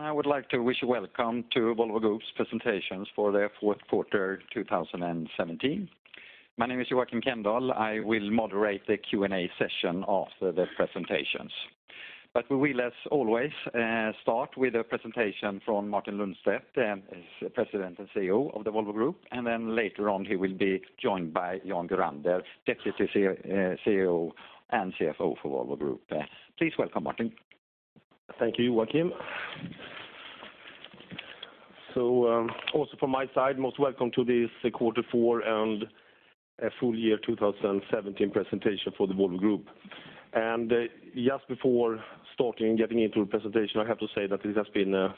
I would like to wish you welcome to Volvo Group's presentations for their fourth quarter 2017. My name is Joakim Kenndal. I will moderate the Q&A session after the presentations. We will, as always, start with a presentation from Martin Lundstedt, President and Chief Executive Officer of the Volvo Group. Later on, he will be joined by Jan Gurander, Deputy Chief Executive Officer and Chief Financial Officer for Volvo Group. Please welcome Martin. Thank you, Joakim. Also from my side, most welcome to this quarter four and full year 2017 presentation for the Volvo Group. Just before starting getting into the presentation, I have to say that it has been a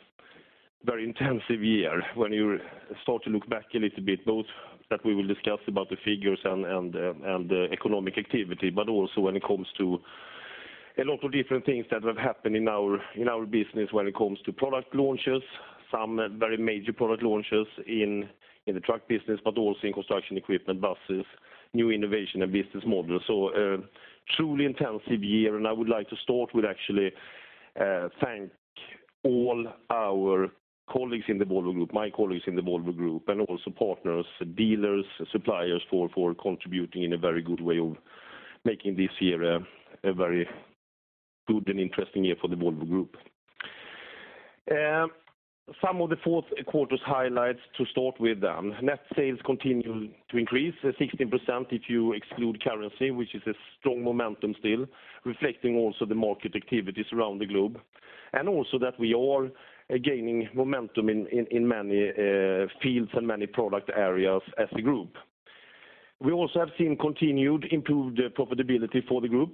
very intensive year when you start to look back a little bit, both that we will discuss about the figures and the economic activity, but also when it comes to a lot of different things that have happened in our business when it comes to product launches, some very major product launches in the truck business, but also in construction equipment, buses, new innovation and business models. A truly intensive year, I would like to start with actually thank all our colleagues in the Volvo Group, my colleagues in the Volvo Group, and also partners, dealers, suppliers for contributing in a very good way of making this year a very good and interesting year for the Volvo Group. Some of the fourth quarter's highlights to start with. Net sales continued to increase 16% if you exclude currency, which is a strong momentum still, reflecting also the market activities around the globe, and also that we are gaining momentum in many fields and many product areas as a group. We also have seen continued improved profitability for the group.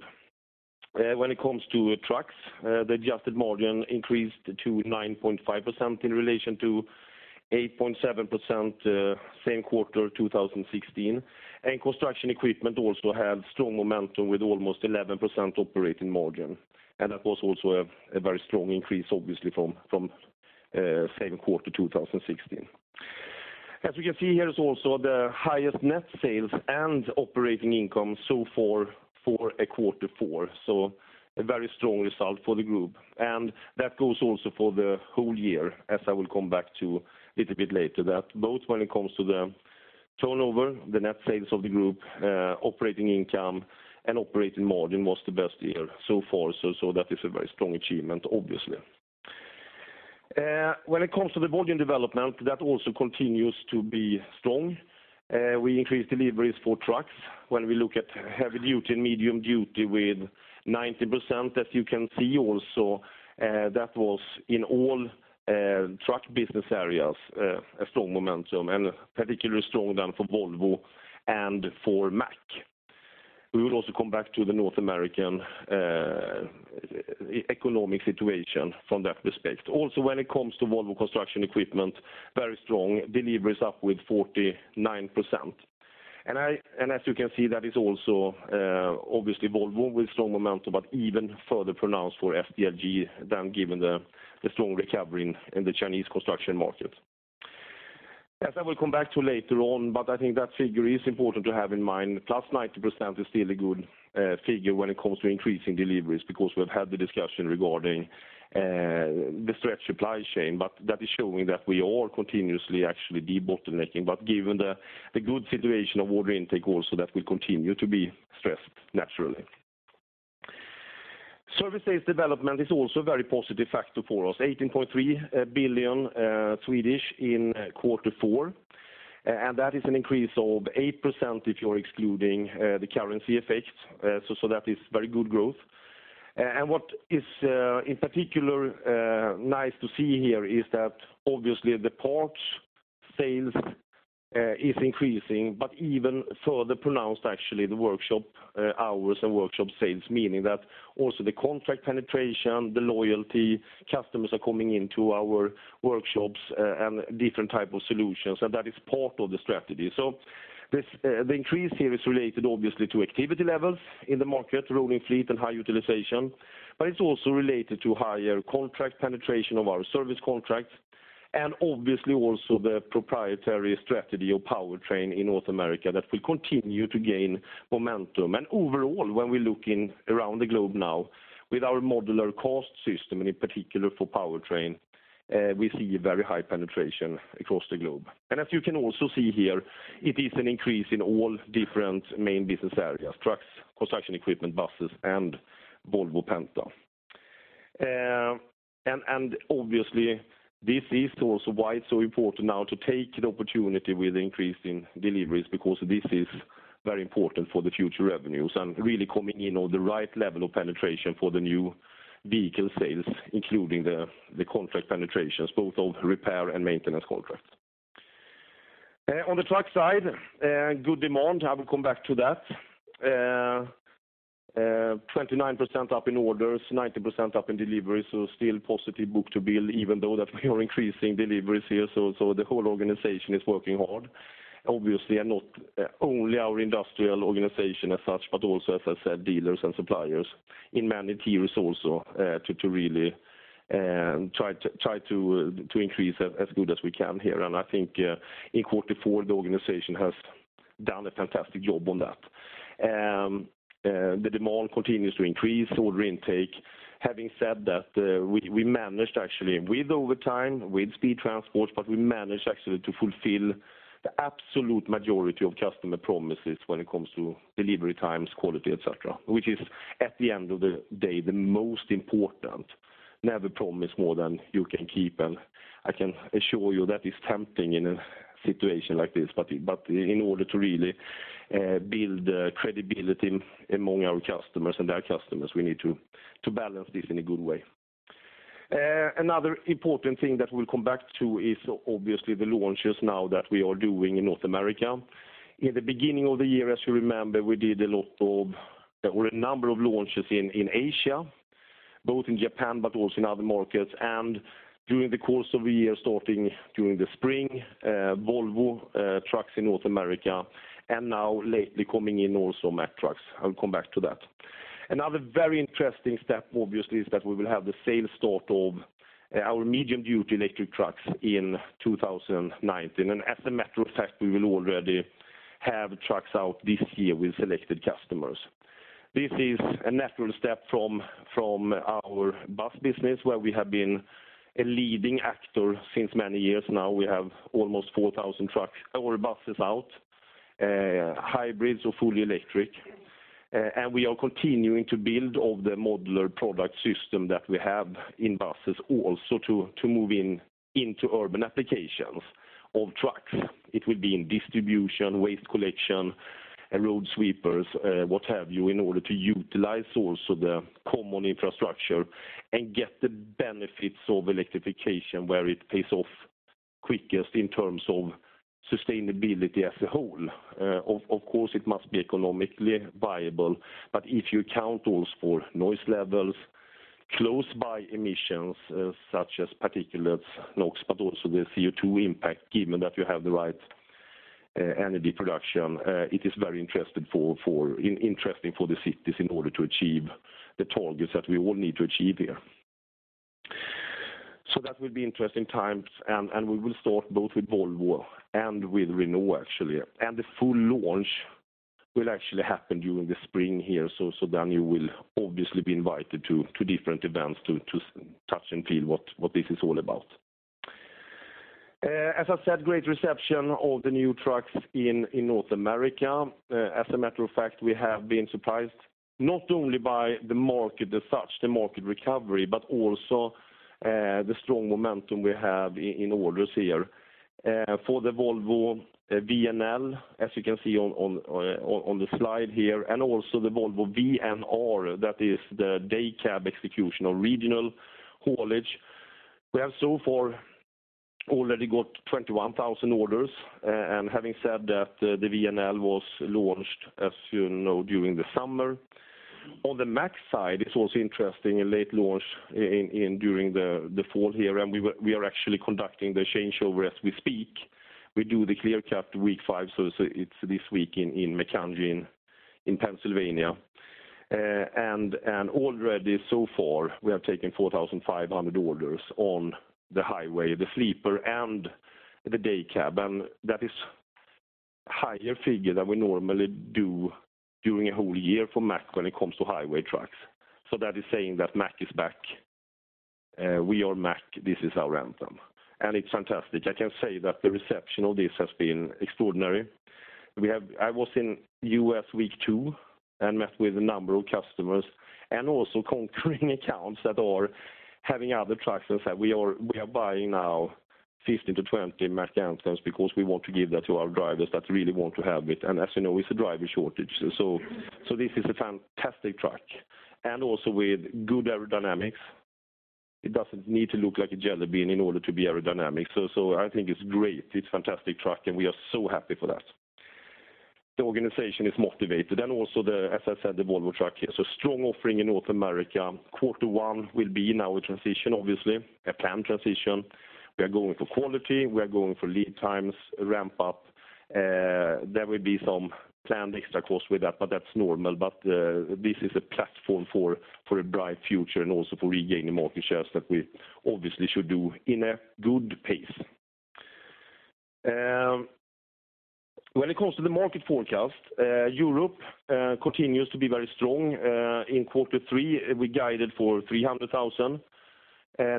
When it comes to trucks, the adjusted margin increased to 9.5% in relation to 8.7% same quarter 2016. Construction equipment also had strong momentum with almost 11% operating margin. That was also a very strong increase, obviously, from same quarter 2016. As we can see here is also the highest net sales and operating income so far for a quarter four. A very strong result for the group. That goes also for the whole year, as I will come back to a little bit later, that both when it comes to the turnover, the net sales of the group, operating income, and operating margin was the best year so far. That is a very strong achievement, obviously. When it comes to the volume development, that also continues to be strong. We increased deliveries for trucks. When we look at heavy duty and medium duty with 90%, as you can see also, that was in all truck business areas, a strong momentum, and particularly strong then for Volvo and for Mack. We will also come back to the North American economic situation from that perspective. When it comes to Volvo Construction Equipment, very strong deliveries up with 49%. As you can see, that is also obviously Volvo with strong momentum, but even further pronounced for SDLG than given the strong recovery in the Chinese construction market. I will come back to later on, but I think that figure is important to have in mind. +90% is still a good figure when it comes to increasing deliveries because we've had the discussion regarding the stretched supply chain, but that is showing that we are continuously actually debottlenecking. Given the good situation of order intake also, that will continue to be stressed naturally. Service days development is also a very positive factor for us, 18.3 billion in quarter four, that is an increase of 8% if you're excluding the currency effects. That is very good growth. What is in particular nice to see here is that obviously the parts sales is increasing, but even further pronounced, actually, the workshop hours and workshop sales, meaning that also the contract penetration, the loyalty, customers are coming into our workshops and different type of solutions, that is part of the strategy. The increase here is related obviously to activity levels in the market, rolling fleet and high utilization, but it's also related to higher contract penetration of our service contracts and obviously also the proprietary strategy of powertrain in North America that will continue to gain momentum. Overall, when we're looking around the globe now with our modular cost system, and in particular for powertrain, we see very high penetration across the globe. As you can also see here, it is an increase in all different main business areas, trucks, Construction Equipment, buses, and Volvo Penta. Obviously, this is also why it's so important now to take the opportunity with increasing deliveries because this is very important for the future revenues and really coming in on the right level of penetration for the new vehicle sales, including the contract penetrations, both of repair and maintenance contracts. On the truck side, good demand. I will come back to that. 29% up in orders, 90% up in deliveries, still positive book to bill, even though that we are increasing deliveries here. The whole organization is working hard, obviously, and not only our industrial organization as such, but also, as I said, dealers and suppliers in many tiers also to really try to increase as good as we can here. I think in quarter four, the organization has done a fantastic job on that. The demand continues to increase order intake. Having said that, we managed actually with overtime, with speed transport, we managed actually to fulfill the absolute majority of customer promises when it comes to delivery times, quality, et cetera, which is at the end of the day, the most important. Never promise more than you can keep, I can assure you that is tempting in a situation like this. In order to really build credibility among our customers and their customers, we need to balance this in a good way. Another important thing that we'll come back to is obviously the launches now that we are doing in North America. In the beginning of the year, as you remember, we did a lot of, or a number of launches in Asia, both in Japan but also in other markets, during the course of the year, starting during the spring, Volvo Trucks in North America, and now lately coming in also Mack Trucks. I will come back to that. Another very interesting step, obviously, is that we will have the sales start of our medium-duty electric trucks in 2019. As a matter of fact, we will already have trucks out this year with selected customers. This is a natural step from our bus business, where we have been a leading actor since many years now. We have almost 4,000 trucks or buses out, hybrids or fully electric. We are continuing to build of the modular product system that we have in buses also to move into urban applications of trucks. It will be in distribution, waste collection, road sweepers, what have you, in order to utilize also the common infrastructure and get the benefits of electrification where it pays off quickest in terms of sustainability as a whole. Of course, it must be economically viable, but if you count also for noise levels, close by emissions such as particulates, NOx, but also the CO2 impact, given that you have the right energy production, it is very interesting for the cities in order to achieve the targets that we all need to achieve here. That will be interesting times, and we will start both with Volvo and with Renault, actually. The full launch will actually happen during the spring here. You will obviously be invited to different events to touch and feel what this is all about. As I said, great reception of the new trucks in North America. As a matter of fact, we have been surprised not only by the market as such, the market recovery, but also the strong momentum we have in orders here. For the Volvo VNL, as you can see on the slide here, and also the Volvo VNR, that is the day cab execution or regional haulage, we have so far already got 21,000 orders. Having said that, the VNL was launched, as you know, during the summer. On the Mack side, it's also interesting, a late launch during the fall here, and we are actually conducting the changeover as we speak. We do the clear cut week five, so it's this week in Macungie in Pennsylvania. Already so far, we have taken 4,500 orders on the highway, the sleeper and the day cab. That is higher figure than we normally do during a whole year for Mack when it comes to highway trucks. That is saying that Mack is back. We are Mack. This is our Anthem, and it's fantastic. I can say that the reception of this has been extraordinary. I was in U.S. week two and met with a number of customers and also conquering accounts that are having other trucks and said, "We are buying now 15 to 20 Mack Anthems because we want to give that to our drivers that really want to have it." As you know, it's a driver shortage. This is a fantastic truck and also with good aerodynamics. It doesn't need to look like a jelly bean in order to be aerodynamic. I think it's great. It's fantastic truck, we are so happy for that. The organization is motivated. Also, as I said, the Volvo truck here. Strong offering in North America. Quarter one will be now a transition, obviously, a planned transition. We are going for quality. We are going for lead times ramp up. There will be some planned extra costs with that, but that's normal. This is a platform for a bright future and also for regaining the market shares that we obviously should do in a good pace. When it comes to the market forecast, Europe continues to be very strong. In quarter three, we guided for 300,000,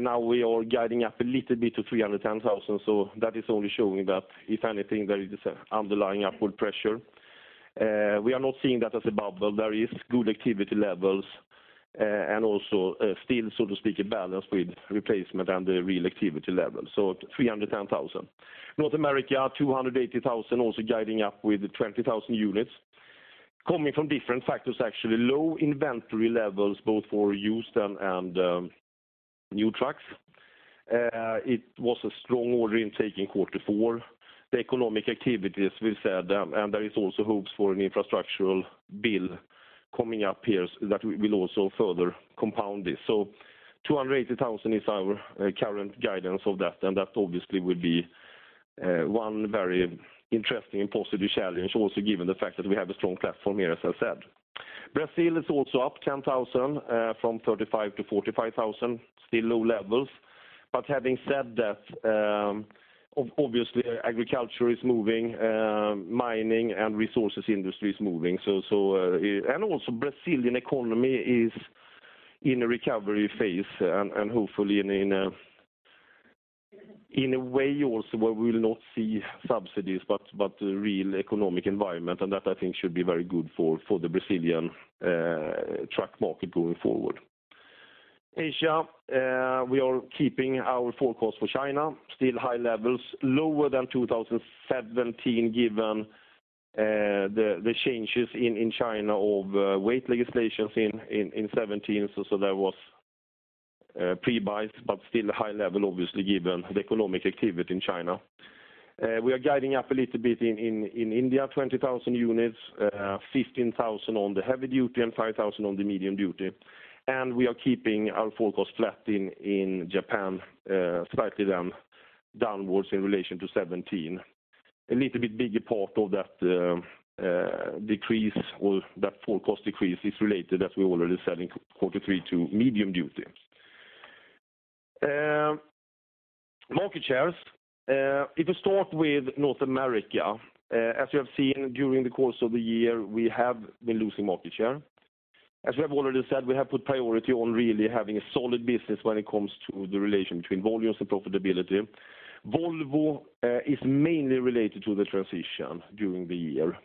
now we are guiding up a little bit to 310,000. That is only showing that if anything, there is underlying upward pressure. We are not seeing that as a bubble. There is good activity levels also still, so to speak, a balance with replacement and the real activity level. 310,000. North America, 280,000, also guiding up with 20,000 units coming from different factors, actually. Low inventory levels both for used and new trucks. It was a strong order intake in quarter four. The economic activity, as we said, there is also hopes for an infrastructural bill coming up here that will also further compound this. 280,000 is our current guidance of that, and that obviously will be one very interesting and positive challenge. Also, given the fact that we have a strong platform here, as I said. Brazil is also up 10,000 from 35 to 45,000. Still low levels. Having said that, obviously agriculture is moving, mining and resources industry is moving. Also Brazilian economy is in a recovery phase and hopefully in a way also where we will not see subsidies, but real economic environment, and that I think should be very good for the Brazilian truck market going forward. Asia, we are keeping our forecast for China. Still high levels, lower than 2017 given the changes in China of weight legislations in 2017. That was pre-buys, but still high level, obviously, given the economic activity in China. We are guiding up a little bit in India, 20,000 units, 15,000 on the heavy duty and 5,000 on the medium duty. We are keeping our forecast flat in Japan, slightly then downwards in relation to 2017. A little bit bigger part of that decrease or that forecast decrease is related, as we already said in quarter three, to medium duty. Market shares. If you start with North America, as you have seen during the course of the year, we have been losing market share. As we have already said, we have put priority on really having a solid business when it comes to the relation between volumes and profitability. Volvo is mainly related to the transition during the year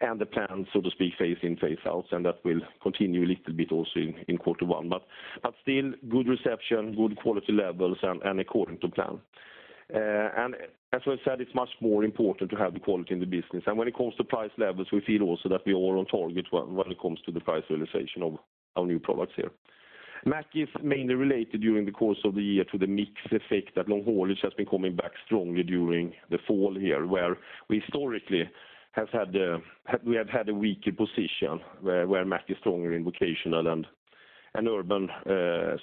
and the plan, so to speak phase in, phase outs, that will continue a little bit also in quarter one. Still good reception, good quality levels, according to plan. As I said, it's much more important to have the quality in the business. When it comes to price levels, we feel also that we are on target when it comes to the price realization of our new products here. Mack is mainly related during the course of the year to the mix effect that long haulage has been coming back strongly during the fall here, where we historically have had a weaker position where Mack is stronger in vocational and urban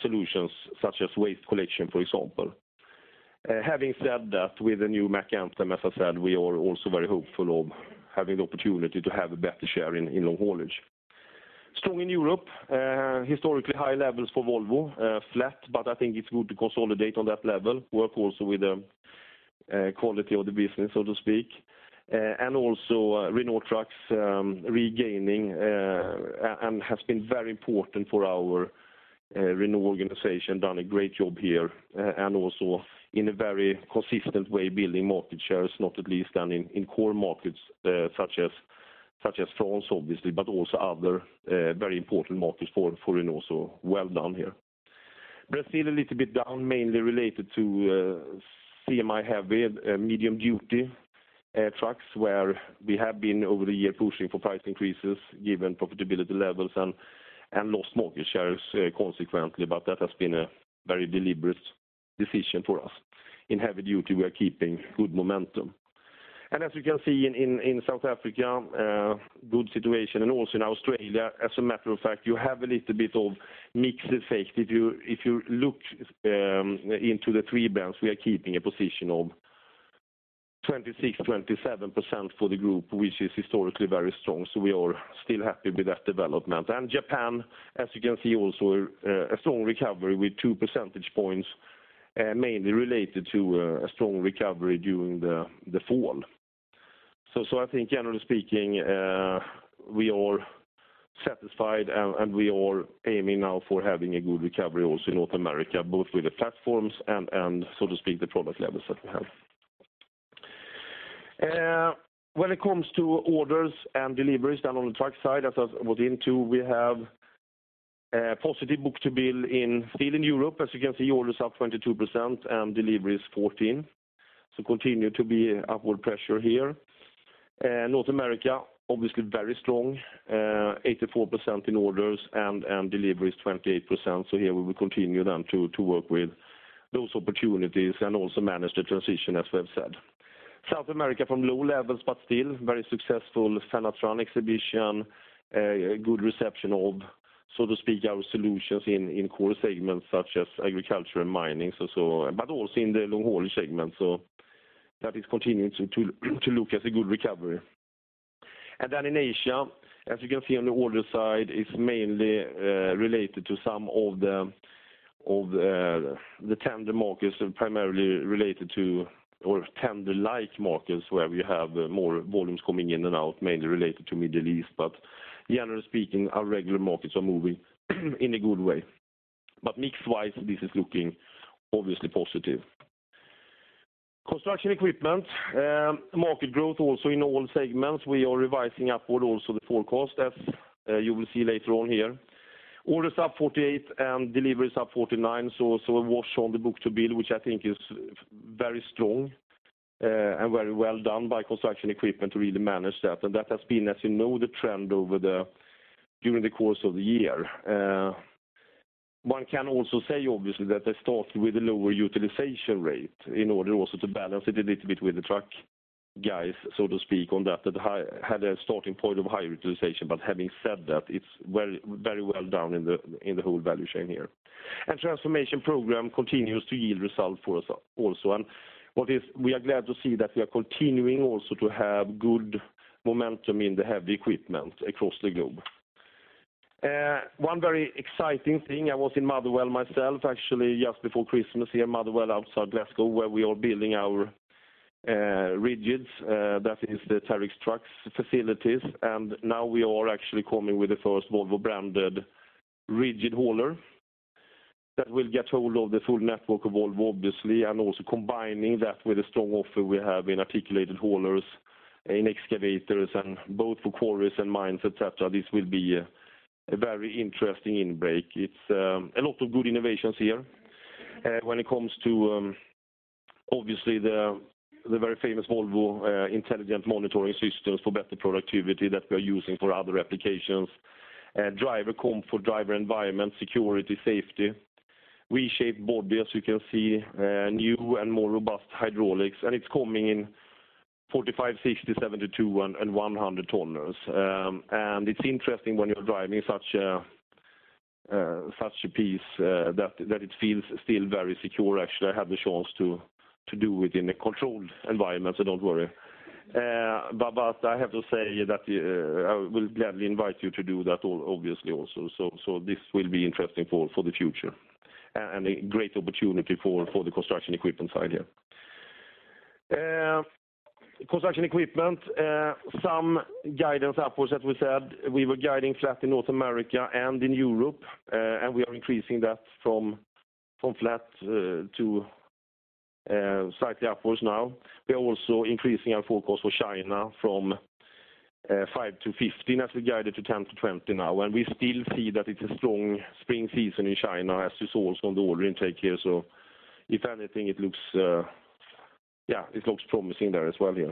solutions such as waste collection, for example. Having said that, with the new Mack Anthem, as I said, we are also very hopeful of having the opportunity to have a better share in long haulage. Strong in Europe, historically high levels for Volvo, flat, but I think it's good to consolidate on that level, work also with the quality of the business, so to speak. Renault Trucks regaining, and has been very important for our Renault organization, done a great job here, and also in a very consistent way, building market shares, not at least in core markets such as France, obviously, but also other very important markets for Renault. Well done here. Brazil a little bit down, mainly related to CMI heavy and medium duty trucks, where we have been over the year pushing for price increases given profitability levels and lost market shares consequently. That has been a very deliberate decision for us. In heavy duty, we are keeping good momentum. As you can see in South Africa, good situation, and also in Australia. As a matter of fact, you have a little bit of mixed effect. If you look into the three bands, we are keeping a position of 26%-27% for the group, which is historically very strong. We are still happy with that development. Japan, as you can see also, a strong recovery with two percentage points, mainly related to a strong recovery during the fall. I think generally speaking, we are satisfied, and we are aiming now for having a good recovery also in North America, both with the platforms and so to speak, the product levels that we have. When it comes to orders and deliveries, then on the truck side, as I was into, we have a positive book-to-bill still in Europe. As you can see, orders up 22% and deliveries 14%. Continue to be upward pressure here. North America, obviously very strong, 84% in orders and deliveries 28%. Here we will continue to work with those opportunities and also manage the transition as we have said. South America from low levels, but still very successful FENATRAN exhibition, a good reception of so to speak our solutions in core segments such as agriculture and mining, but also in the long haul segment. That is continuing to look as a good recovery. In Asia, as you can see on the order side, it's mainly related to some of the tender markets, or tender-like markets, where we have more volumes coming in and out, mainly related to Middle East. Generally speaking, our regular markets are moving in a good way. Mix-wise, this is looking obviously positive. Construction equipment, market growth also in all segments. We are revising upward also the forecast as you will see later on here. Orders up 48 and deliveries up 49, so a wash on the book-to-bill, which I think is very strong and very well done by construction equipment to really manage that. That has been, as you know, the trend during the course of the year. One can also say, obviously, that they start with a lower utilization rate in order also to balance it a little bit with the truck guys, so to speak, on that had a starting point of higher utilization. Having said that, it's very well done in the whole value chain here. Transformation program continues to yield results for us also. We are glad to see that we are continuing also to have good momentum in the heavy equipment across the globe. One very exciting thing, I was in Motherwell myself actually just before Christmas here, Motherwell outside Glasgow, where we are building our rigids. That is the Terex Trucks facilities. Now we are actually coming with the first Volvo branded rigid hauler that will get hold of the full network of Volvo, obviously, and also combining that with the strong offer we have in articulated haulers, in excavators and both for quarries and mines, et cetera. This will be a very interesting in-break. It's a lot of good innovations here. When it comes to obviously the very famous Volvo intelligent monitoring systems for better productivity that we are using for other applications. Driver comfort, for driver environment, security, safety. Reshaped body, as you can see, new and more robust hydraulics, and it's coming in 45, 60, 72, and 100 tonners. It's interesting when you're driving such a piece that it feels still very secure. Actually, I had the chance to do it in a controlled environment, so don't worry. I have to say that I will gladly invite you to do that all, obviously also. This will be interesting for the future and a great opportunity for the construction equipment side, yeah. Construction equipment, some guidance upwards, as we said, we were guiding flat in North America and in Europe, and we are increasing that from flat to slightly upwards now. We are also increasing our forecast for China from 5% to 15% as we guided to 10%-20% now, and we still see that it's a strong spring season in China, as you saw also on the order intake here, so if anything, it looks promising there as well, yeah.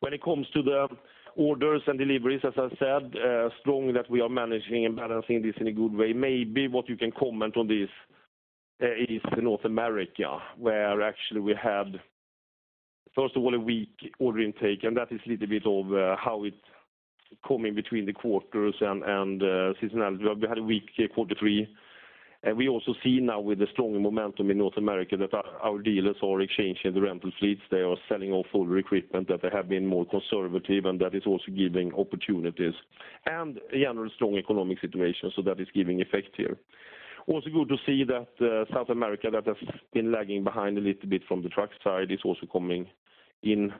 When it comes to the orders and deliveries, as I said, strong that we are managing and balancing this in a good way. Maybe what you can comment on this is North America, where actually we had, first of all, a weak order intake, and that is a little bit of how it's coming between the quarters and seasonality drive. We had a weak Q3, and we also see now with the stronger momentum in North America that our dealers are exchanging the rental fleets. They are selling off older equipment that they have been more conservative, and that is also giving opportunities, and a general strong economic situation. That is giving effect here. Also good to see that South America that has been lagging behind a little bit from the truck side is also coming in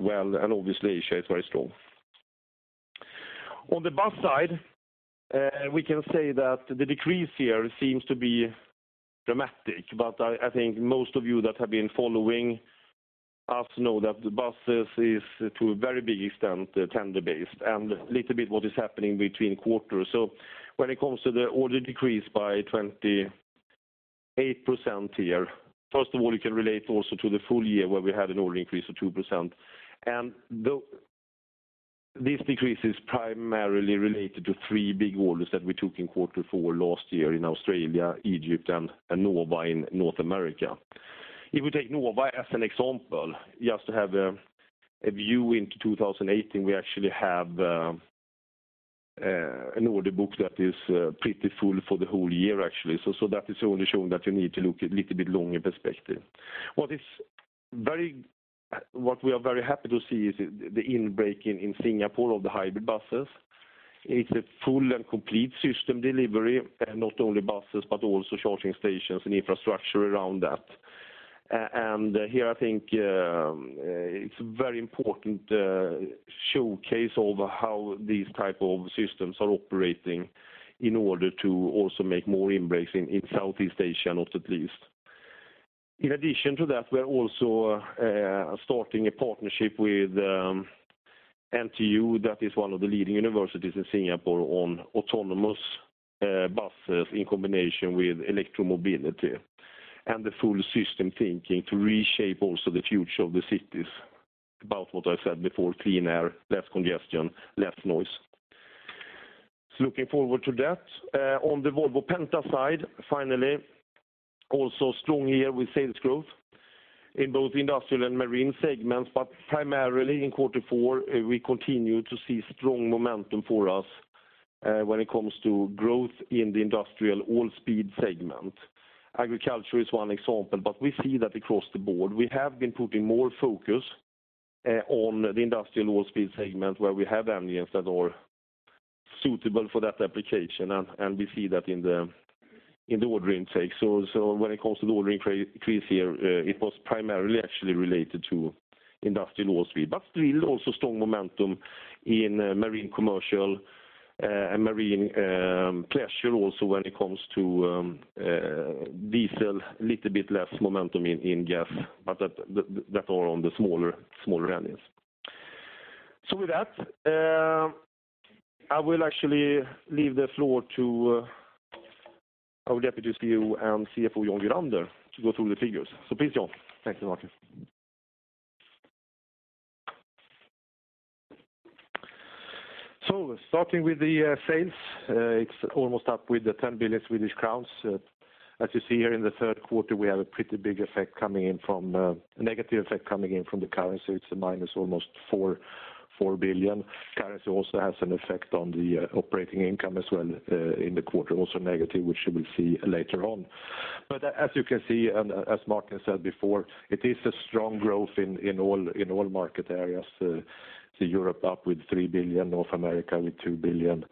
well, and obviously Asia is very strong. On the bus side, we can say that the decrease here seems to be dramatic, but I think most of you that have been following us know that the buses is to a very big extent tender-based and a little bit what is happening between quarters. When it comes to the order decrease by 28% here, first of all, you can relate also to the full year where we had an order increase of 2%. This decrease is primarily related to three big orders that we took in Q4 last year in Australia, Egypt, and Nova in North America. If we take Nova as an example, just to have a view into 2018, we actually have an order book that is pretty full for the whole year, actually. That is only showing that you need to look a little bit longer perspective. What we are very happy to see is the in-break in Singapore of the hybrid buses. It's a full and complete system delivery, not only buses, but also charging stations and infrastructure around that. Here, I think it's very important showcase of how these type of systems are operating in order to also make more in-breaks in Southeast Asia, not at least. In addition to that, we are also starting a partnership with NTU, that is one of the leading universities in Singapore, on autonomous buses in combination with electro-mobility and the full system thinking to reshape also the future of the cities about what I said before, clean air, less congestion, less noise. Looking forward to that. On the Volvo Penta side, finally, also strong year with sales growth in both industrial and marine segments, but primarily in Q4, we continue to see strong momentum for us when it comes to growth in the industrial low speed segment. Agriculture is one example, but we see that across the board. We have been putting more focus on the industrial low speed segment where we have engines that are suitable for that application, and we see that in the order intake. When it comes to the order increase here, it was primarily actually related to industrial low speed, but still also strong momentum in marine commercial and marine pleasure also when it comes to diesel, little bit less momentum in gas, but that are on the smaller engines. With that, I will actually leave the floor to our Deputy CEO and CFO, Jan Gurander, to go through the figures. Please, Jan. Thank you, Martin. Starting with the sales, it's almost up with 10 billion Swedish crowns. As you see here in the third quarter, we have a pretty big negative effect coming in from the currency. It's a minus almost 4 billion. Currency also has an effect on the operating income as well in the quarter, also negative, which you will see later on. As you can see, and as Martin Lundstedt said before, it is a strong growth in all market areas. Europe up with 3 billion, North America with 2 billion,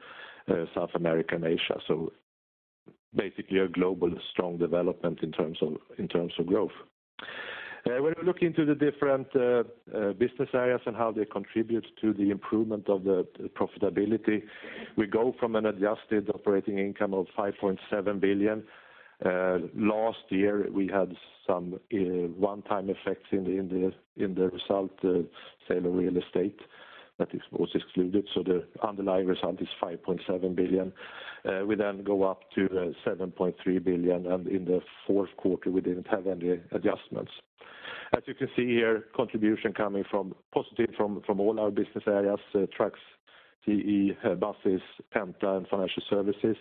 South America and Asia. Basically a global strong development in terms of growth. When we look into the different business areas and how they contribute to the improvement of the profitability, we go from an adjusted operating income of 5.7 billion. Last year, we had some one-time effects in the result, sale of real estate that was excluded. The underlying result is 5.7 billion. We go up to 7.3 billion, and in the fourth quarter, we didn't have any adjustments. As you can see here, contribution coming positive from all our business areas, Trucks, CE, Buses, Penta, and Financial Services.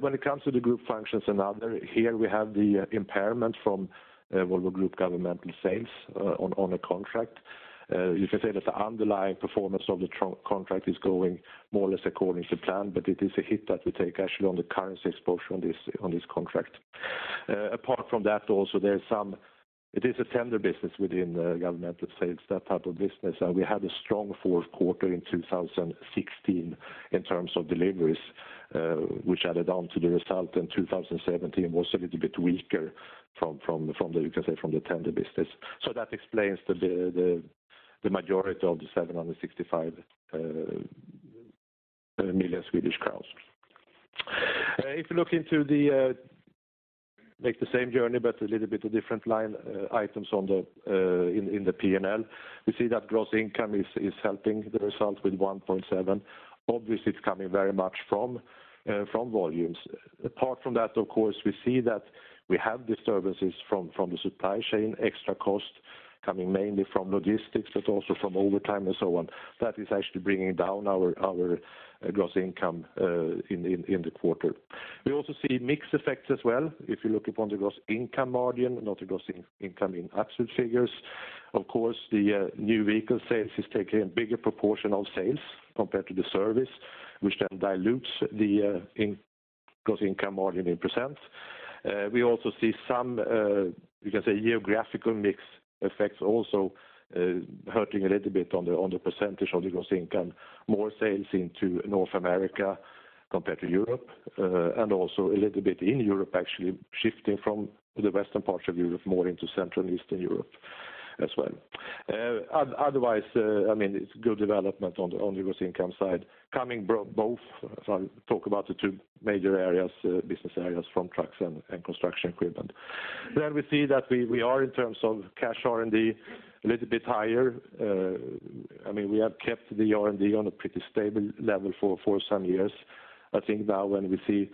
When it comes to the Group functions and other, here we have the impairment from Volvo Group Governmental Sales on a contract. You can say that the underlying performance of the contract is going more or less according to plan, but it is a hit that we take actually on the currency exposure on this contract. Apart from that, it is a tender business within Governmental Sales, that type of business. We had a strong fourth quarter in 2016 in terms of deliveries, which added on to the result, and 2017 was a little bit weaker, you can say, from the tender business. That explains the majority of the 765 million Swedish crowns. If you look, make the same journey, but a little bit of different line items in the P&L. We see that gross income is helping the result with 1.7 billion. Obviously, it's coming very much from volumes. Apart from that, of course, we see that we have disturbances from the supply chain, extra cost coming mainly from logistics, but also from overtime and so on. That is actually bringing down our gross income in the quarter. We also see mix effects as well. If you look upon the gross income margin, not the gross income in absolute figures, of course, the new vehicle sales is taking a bigger proportion of sales compared to the service, which then dilutes the gross income margin in %. We also see some, you can say, geographical mix effects also hurting a little bit on the percentage of the gross income, more sales into North America compared to Europe, and also a little bit in Europe, actually shifting from the western parts of Europe, more into Central and Eastern Europe as well. Otherwise, it's good development on the gross income side, coming both, as I talk about the two major business areas from Trucks and Construction Equipment. We see that we are, in terms of cash R&D, a little bit higher. We have kept the R&D on a pretty stable level for some years. I think now when we see,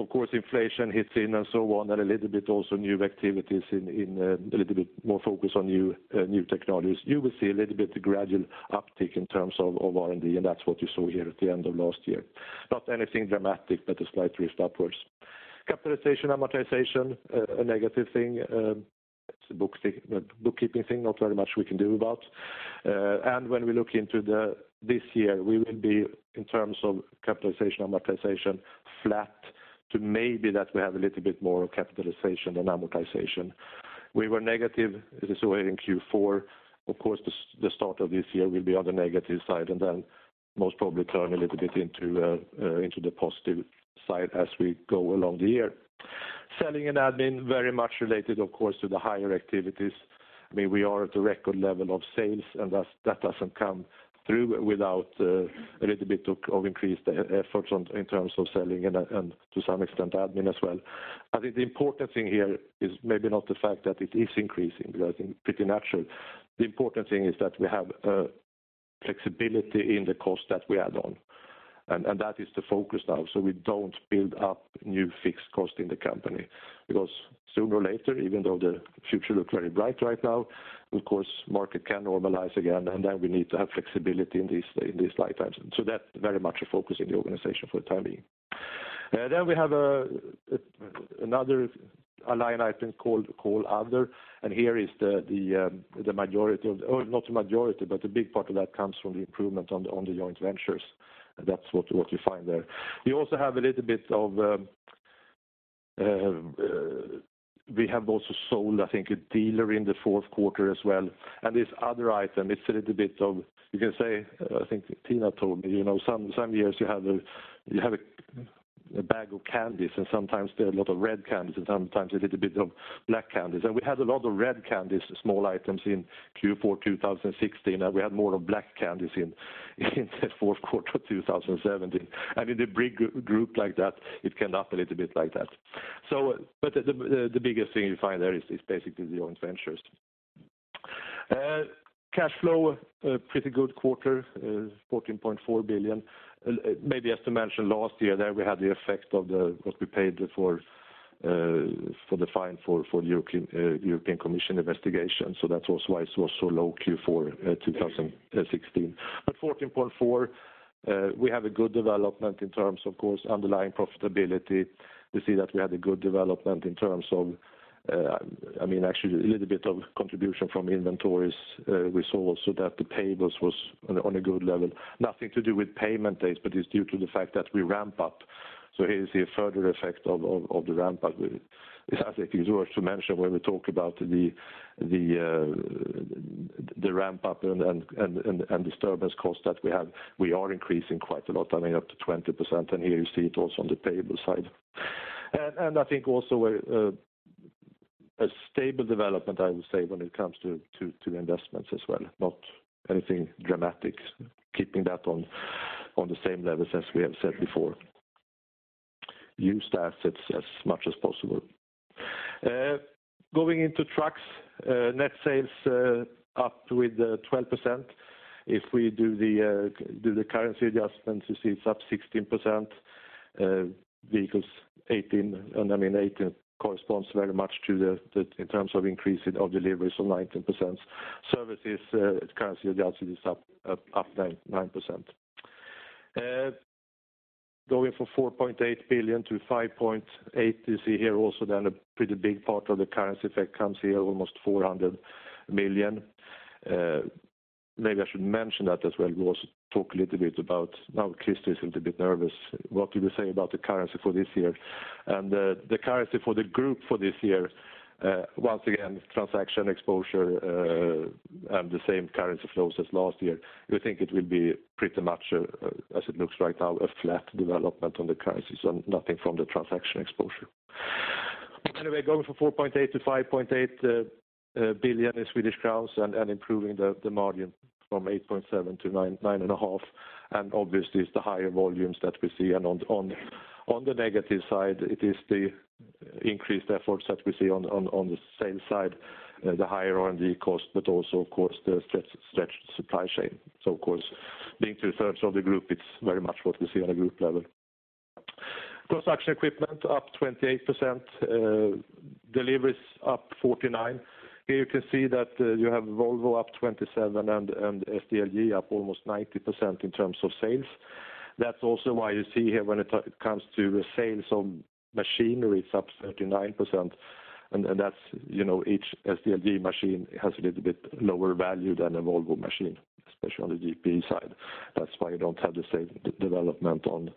of course, inflation hits in and so on, and a little bit also new activities in a little bit more focus on new technologies. You will see a little bit gradual uptick in terms of R&D, and that's what you saw here at the end of last year. Not anything dramatic, but a slight drift upwards. Capitalization, amortization, a negative thing. It's a bookkeeping thing, not very much we can do about. When we look into this year, we will be, in terms of capitalization, amortization, flat to maybe that we have a little bit more capitalization than amortization. We were negative, as I saw here in Q4. The start of this year will be on the negative side, and then most probably turn a little bit into the positive side as we go along the year. Selling and admin, very much related, of course, to the higher activities. That doesn't come through without a little bit of increased efforts in terms of selling and to some extent, admin as well. I think the important thing here is maybe not the fact that it is increasing, because I think pretty natural. The important thing is that we have flexibility in the cost that we add on, and that is the focus now. We don't build up new fixed cost in the company because sooner or later, even though the future look very bright right now, of course, market can normalize again, and then we need to have flexibility in these lifetimes. That's very much a focus in the organization for the time being. We have another line item called other, here is not the majority, but a big part of that comes from the improvement on the joint ventures. That's what you find there. We have also sold, I think, a dealer in the fourth quarter as well. This other item, it's a little bit of, you can say, I think Tina told me, some years you have a bag of candies, and sometimes there are a lot of red candies, and sometimes a little bit of black candies. We had a lot of red candies, small items in Q4 2016, and we had more of black candies in the fourth quarter 2017. I mean, the big group like that, it can up a little bit like that. The biggest thing you find there is basically the joint ventures. Cash flow, pretty good quarter, 14.4 billion. Maybe as to mention last year there, we had the effect of what we paid for the fine for the European Commission investigation. That was why it was so low Q4 2016. 14.4 We have a good development in terms, of course, underlying profitability. We see that we had a good development in terms of, actually a little bit of contribution from inventories. We saw also that the payables was on a good level. Nothing to do with payment dates, but it's due to the fact that we ramp up. Here you see a further effect of the ramp up. I think it is worth to mention when we talk about the ramp up and disturbance costs that we have, we are increasing quite a lot, up to 20%, and here you see it also on the payable side. I think also a stable development, I would say, when it comes to investments as well, not anything dramatic, keeping that on the same level as we have said before. Use the assets as much as possible. Going into trucks, net sales up with 12%. If we do the currency adjustments, you see it is up 16%, vehicles 18%, and 18% corresponds very much in terms of increase of deliveries of 19%. Services, at currency adjusted, is up 9%. Going from 4.8 billion to 5.8 billion, you see here also then a pretty big part of the currency effect comes here, almost 400 million. Maybe I should mention that as well. We also talk a little bit about, now is a little bit nervous. What do you say about the currency for this year? The currency for the group for this year, once again, transaction exposure, and the same currency flows as last year. We think it will be pretty much, as it looks right now, a flat development on the currency. Nothing from the transaction exposure. Anyway, going from 4.8 billion to 5.8 billion and improving the margin from 8.7%-9.5%. Obviously, it is the higher volumes that we see. On the negative side, it is the increased efforts that we see on the sales side, the higher R&D cost, but also, of course, the stretched supply chain. Of course, being two-thirds of the group, it is very much what we see on a group level. Construction equipment up 28%, deliveries up 49%. Here you can see that you have Volvo up 27% and SDLG up almost 90% in terms of sales. That is also why you see here when it comes to sales of machinery, it is up 39%. Each SDLG machine has a little bit lower value than a Volvo machine, especially on the GP side. That is why you do not have the same development on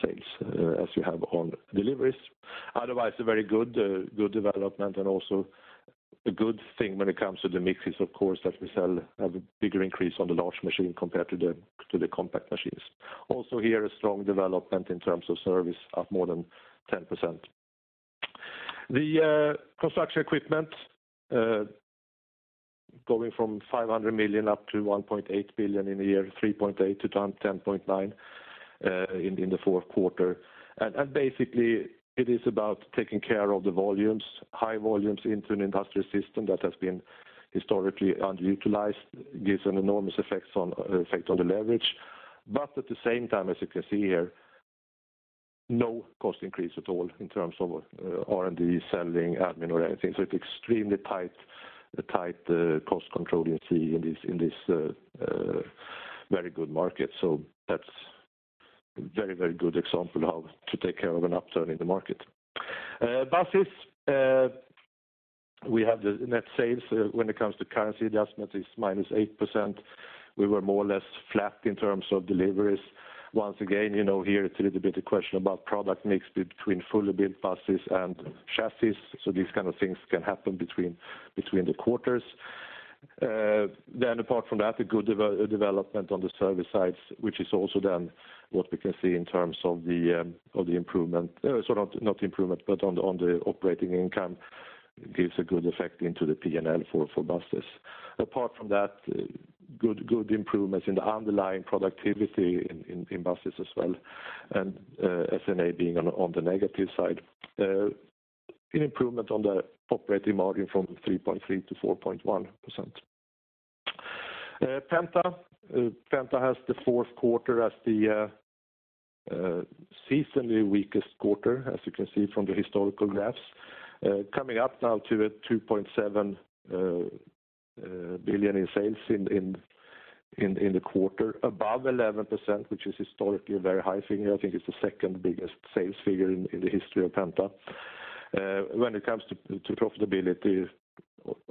sales as you have on deliveries. Otherwise, a very good development and also a good thing when it comes to the mix is, of course, that we sell have a bigger increase on the large machine compared to the compact machines. Also here, a strong development in terms of service up more than 10%. The construction equipment, going from 500 million up to 1.8 billion in the year, 3.8 billion to 10.9 billion in the fourth quarter. Basically, it is about taking care of the volumes, high volumes into an industrial system that has been historically underutilized, gives an enormous effect on the leverage. At the same time, as you can see here, no cost increase at all in terms of R&D, selling, admin or anything. It is extremely tight cost control you see in this very good market. That is a very good example of how to take care of an upturn in the market. Buses, we have the net sales, when it comes to currency adjustment, is -8%. We were more or less flat in terms of deliveries. Once again, here it is a little bit a question about product mix between fully built buses and chassis. These kind of things can happen between the quarters. Apart from that, a good development on the service sides, which is also then what we can see in terms of the improvement. Sorry, not improvement, but on the operating income, gives a good effect into the P&L for buses. Apart from that, good improvements in the underlying productivity in buses as well, and SG&A being on the negative side. An improvement on the operating margin from 3.3% to 4.1%. Penta. Penta has the fourth quarter as the seasonally weakest quarter, as you can see from the historical graphs. Coming up now to 2.7 billion in sales in the quarter above 11%, which is historically a very high figure. I think it's the second biggest sales figure in the history of Penta. When it comes to profitability,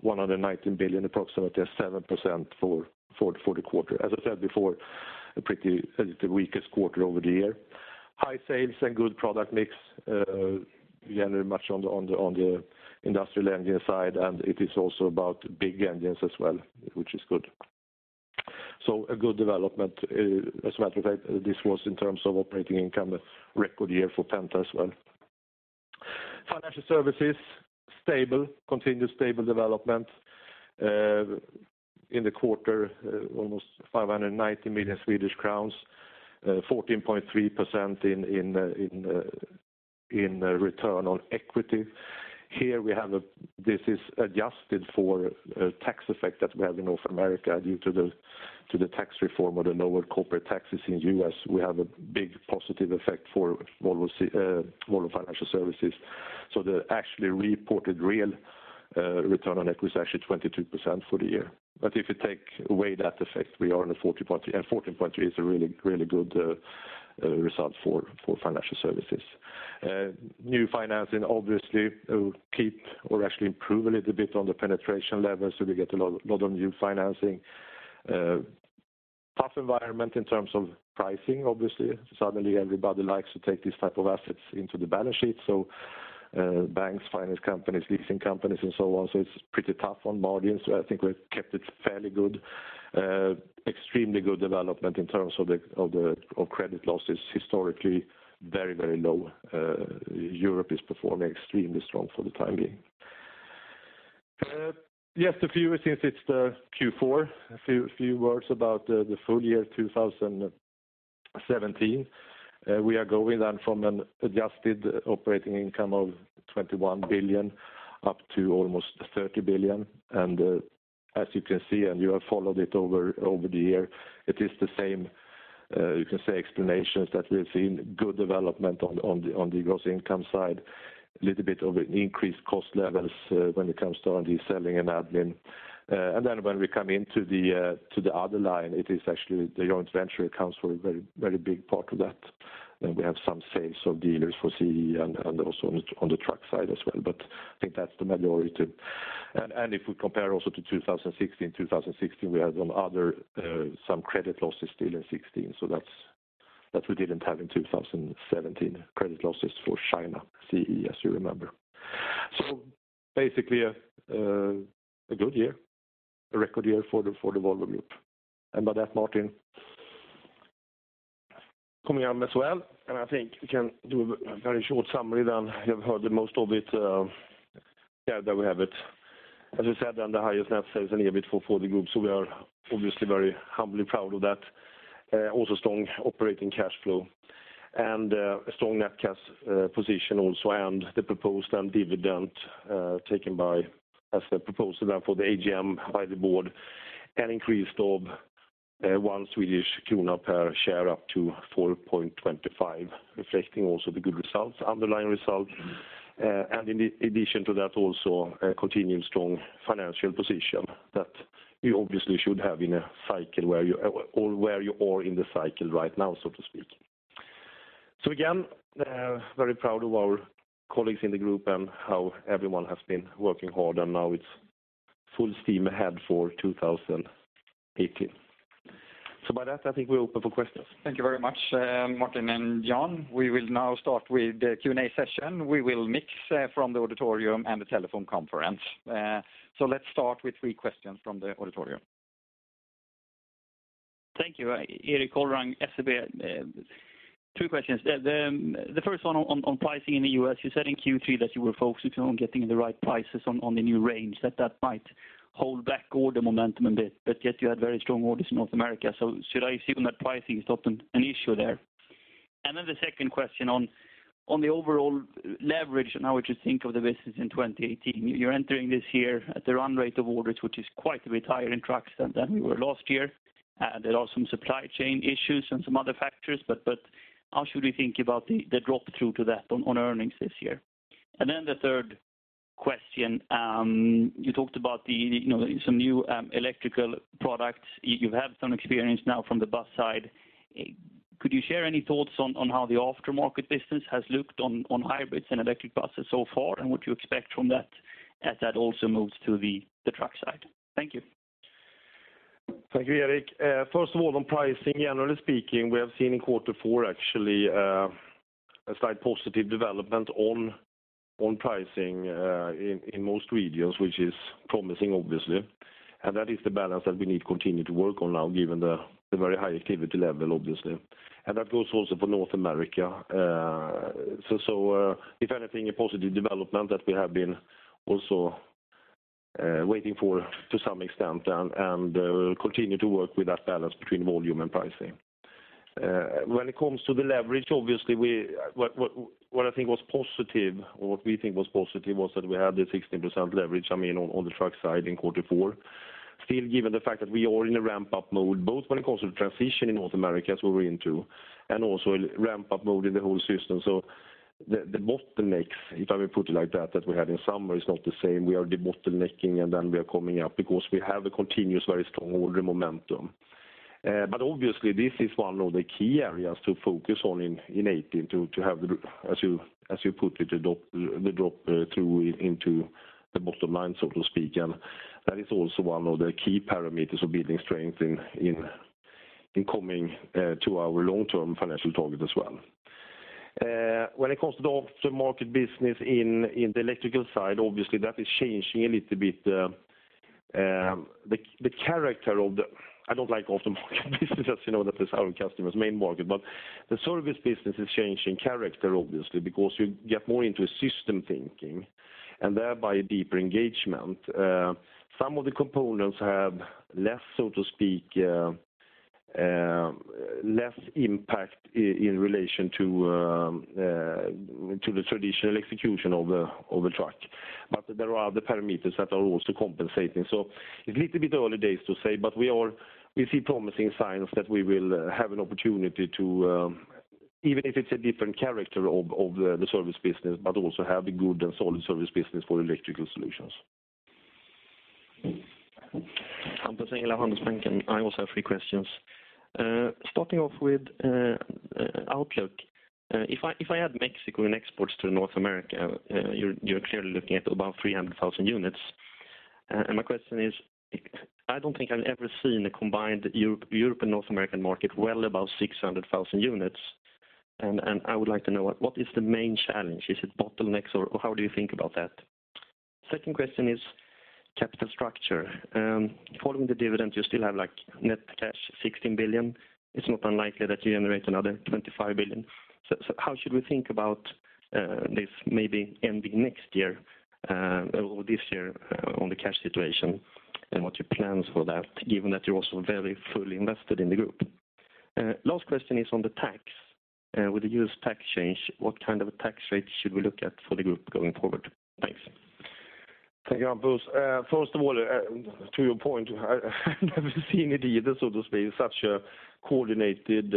1.19 billion, approximately at 7% for the quarter. As I said before, the weakest quarter over the year. High sales and good product mix, generally much on the industrial engine side, and it is also about big engines as well, which is good. A good development. As a matter of fact, this was in terms of operating income, a record year for Penta as well. Financial services, stable, continued stable development. In the quarter, almost 590 million Swedish crowns, 14.3% in return on equity. Here, this is adjusted for tax effect that we have in North America due to the tax reform or the lower corporate taxes in U.S. We have a big positive effect for Volvo Financial Services. The actually reported real return on equity is actually 22% for the year. If you take away that effect, we are on a 14.3%, and 14.3% is a really good result for financial services. New financing obviously will keep or actually improve a little bit on the penetration level, so we get a lot of new financing. Tough environment in terms of pricing, obviously. Suddenly everybody likes to take these type of assets into the balance sheet, so banks, finance companies, leasing companies, and so on, so it's pretty tough on margins. I think we've kept it fairly good. Extremely good development in terms of credit losses. Historically very low. Europe is performing extremely strong for the time being. Just a few, since it's the Q4, a few words about the full year 2017. We are going then from an adjusted operating income of 21 billion up to almost 30 billion. As you can see, and you have followed it over the year, it is the same, you can say, explanations that we've seen good development on the gross income side. Little bit of increased cost levels when it comes to R&D, selling, and admin. When we come into the other line, it is actually the joint venture accounts for a very big part of that. Then we have some sales of dealers for CE and also on the truck side as well, but I think that's the majority. If we compare also to 2016, we had some other credit losses still in 2016. That we didn't have in 2017, credit losses for China CE, as you remember. Basically a good year, a record year for the Volvo Group. By that, Martin, coming on as well, and I think we can do a very short summary then. You have heard the most of it. There we have it. As we said, the highest net sales and EBIT for the group, we are obviously very humbly proud of that. Strong operating cash flow and a strong net cash position, and the proposed dividend taken as the proposal for the AGM by the board, an increase of 1 Swedish krona per share up to 4.25, reflecting the good results, underlying results. In addition to that, a continuing strong financial position that you obviously should have where you are in the cycle right now. Again, very proud of our colleagues in the group and how everyone has been working hard, and now it's full steam ahead for 2018. By that, I think we're open for questions. Thank you very much, Martin and Jan. We will now start with the Q&A session. We will mix from the auditorium and the telephone conference. Let's start with three questions from the auditorium. Thank you. Erik Golrang, SEB. Two questions. The first one on pricing in the U.S. You said in Q3 that you were focusing on getting the right prices on the new range, that that might hold back order momentum a bit, but yet you had very strong orders in North America. Should I assume that pricing is not an issue there? The second question on the overall leverage and how we should think of the business in 2018. You're entering this year at a run rate of orders, which is quite a bit higher in trucks than we were last year. There are some supply chain issues and some other factors, but how should we think about the drop through to that on earnings this year? The third question. You talked about some new electrical products. You have some experience now from the bus side. Could you share any thoughts on how the aftermarket business has looked on hybrids and electric buses so far, and what you expect from that as that also moves to the truck side? Thank you. Thank you, Erik. First of all, on pricing, generally speaking, we have seen in Q4 actually a slight positive development on pricing in most regions, which is promising, obviously. That is the balance that we need to continue to work on now given the very high activity level, obviously. That goes also for North America. If anything, a positive development that we have been also waiting for to some extent and continue to work with that balance between volume and pricing. When it comes to the leverage, obviously, what I think was positive, or what we think was positive, was that we had the 16% leverage, I mean, on the truck side in Q4. Still, given the fact that we are in a ramp-up mode, both when it comes to the transition in North America, as we were into, and also ramp-up mode in the whole system. The bottlenecks, if I may put it like that we had in summer is not the same. We are debottlenecking, we are coming up because we have a continuous very strong order momentum. Obviously, this is one of the key areas to focus on in 2018 to have, as you put it, the drop through into the bottom line, so to speak. That is also one of the key parameters of building strength in coming to our long-term financial target as well. When it comes to the aftermarket business in the electrical side, obviously, that is changing a little bit. I don't like aftermarket business as you know that is our customer's main market, but the service business is changing character, obviously, because you get more into a system thinking, and thereby a deeper engagement. Some of the components have less, so to speak, impact in relation to the traditional execution of a truck. There are other parameters that are also compensating. It's little bit early days to say, but we see promising signs that we will have an opportunity to, even if it's a different character of the service business, but also have a good and solid service business for electrical solutions. Hampus Handelsbanken. I also have three questions. Starting off with outlook. If I add Mexico and exports to North America, you are clearly looking at about 300,000 units. My question is, I don't think I have ever seen a combined Europe and North American market well above 600,000 units, and I would like to know what is the main challenge? Is it bottlenecks, or how do you think about that? Second question is capital structure. Following the dividend, you still have net cash 16 billion. It is not unlikely that you generate another 25 billion. How should we think about this maybe ending next year, or this year, on the cash situation and what is your plans for that, given that you are also very fully invested in the group? Last question is on the tax. With the U.S. tax change, what kind of a tax rate should we look at for the group going forward? Thanks. Thank you, Hampus. First of all, to your point, I have never seen it either, so to speak, such a coordinated,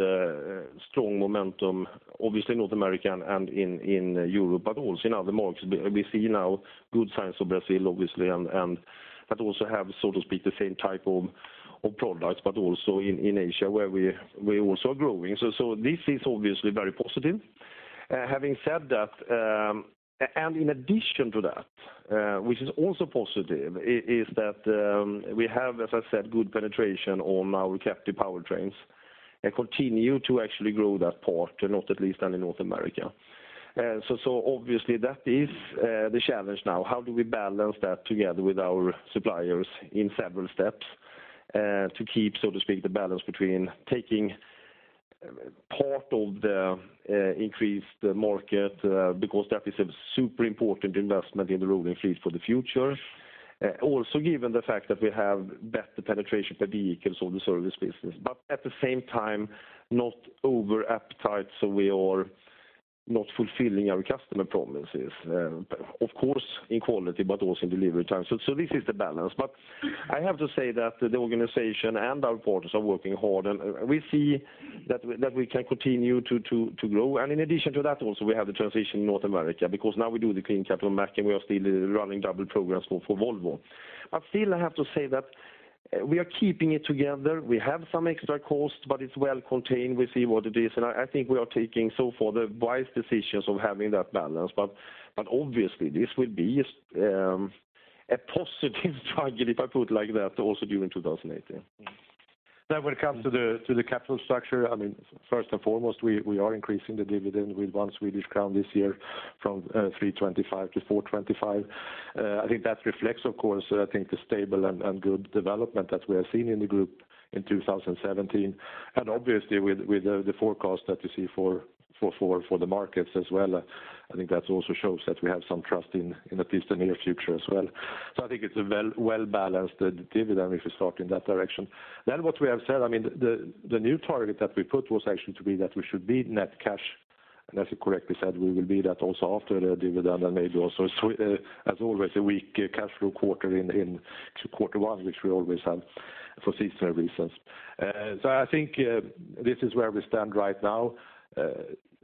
strong momentum, obviously North American and in Europe, but also in other markets. We see now good signs of Brazil, obviously, that also have, so to speak, the same type of products, but also in Asia, where we also are growing. This is obviously very positive. Having said that, and in addition to that, which is also positive, is that we have, as I said, good penetration on our captive powertrains and continue to actually grow that part, not at least down in North America. Obviously that is the challenge now. How do we balance that together with our suppliers in several steps to keep, so to speak, the balance between taking part of the increased market because that is a super important investment in the rolling fleet for the future. Also, given the fact that we have better penetration per vehicles on the service business. At the same time, not over appetite, so we are not fulfilling our customer promises, of course, in quality, but also in delivery time. This is the balance. I have to say that the organization and our partners are working hard, and we see that we can continue to grow. In addition to that, also, we have the transition in North America, because now we do the clean capital in Mack and we are still running double programs for Volvo. Still, I have to say that we are keeping it together. We have some extra costs, it's well contained. We see what it is, I think we are taking, so far, the wise decisions of having that balance. Obviously this will be a positive target, if I put it like that, also during 2018. When it comes to the capital structure, first and foremost, we are increasing the dividend with 1 Swedish crown this year from 3.25 to 4.25. I think that reflects, of course, I think the stable and good development that we have seen in the Volvo Group in 2017. Obviously with the forecast that we see for the markets as well, I think that also shows that we have some trust in at least the near future as well. I think it's a well-balanced dividend if we start in that direction. What we have said, the new target that we put was actually to be that we should be net cash. As you correctly said, we will be that also after the dividend and maybe also as always, a weak cash flow quarter in quarter one, which we always have for seasonal reasons. I think this is where we stand right now.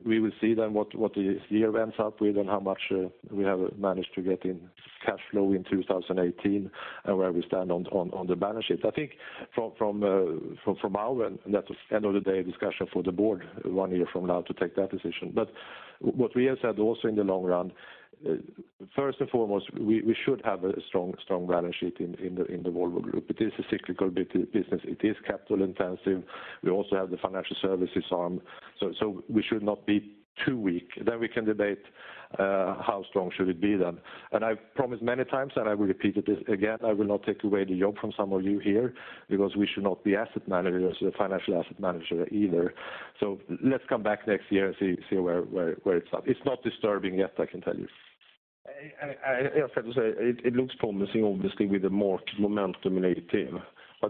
We will see then what this year ends up with and how much we have managed to get in cash flow in 2018 and where we stand on the balance sheet. I think from our end, that's end of the day a discussion for the board one year from now to take that decision. What we have said also in the long run, first and foremost, we should have a strong balance sheet in the Volvo Group. It is a cyclical business. It is capital intensive. We also have the financial services arm. We should not be too weak. We can debate how strong should it be then. I've promised many times, I will repeat it again, I will not take away the job from some of you here because we should not be asset managers, the financial asset manager either. Let's come back next year and see where it's at. It's not disturbing yet, I can tell you. I have to say, it looks promising, obviously, with the more momentum in 2018.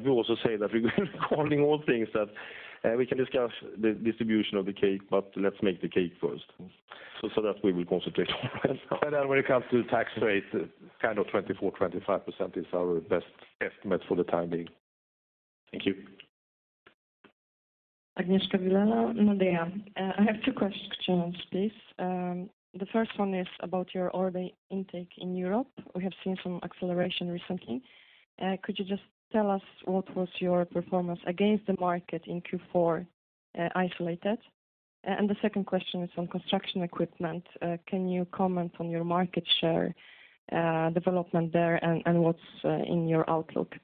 We also say that we're calling all things that we can discuss the distribution of the cake, let's make the cake first so that we will concentrate on that. When it comes to tax rate, 24%-25% is our best estimate for the time being. Thank you. Agnieszka Vilela, Nordea Markets. I have two questions, please. The first one is about your order intake in Europe. We have seen some acceleration recently. Could you just tell us what was your performance against the market in Q4 isolated? The second question is on construction equipment. Can you comment on your market share development there and what's in your outlook?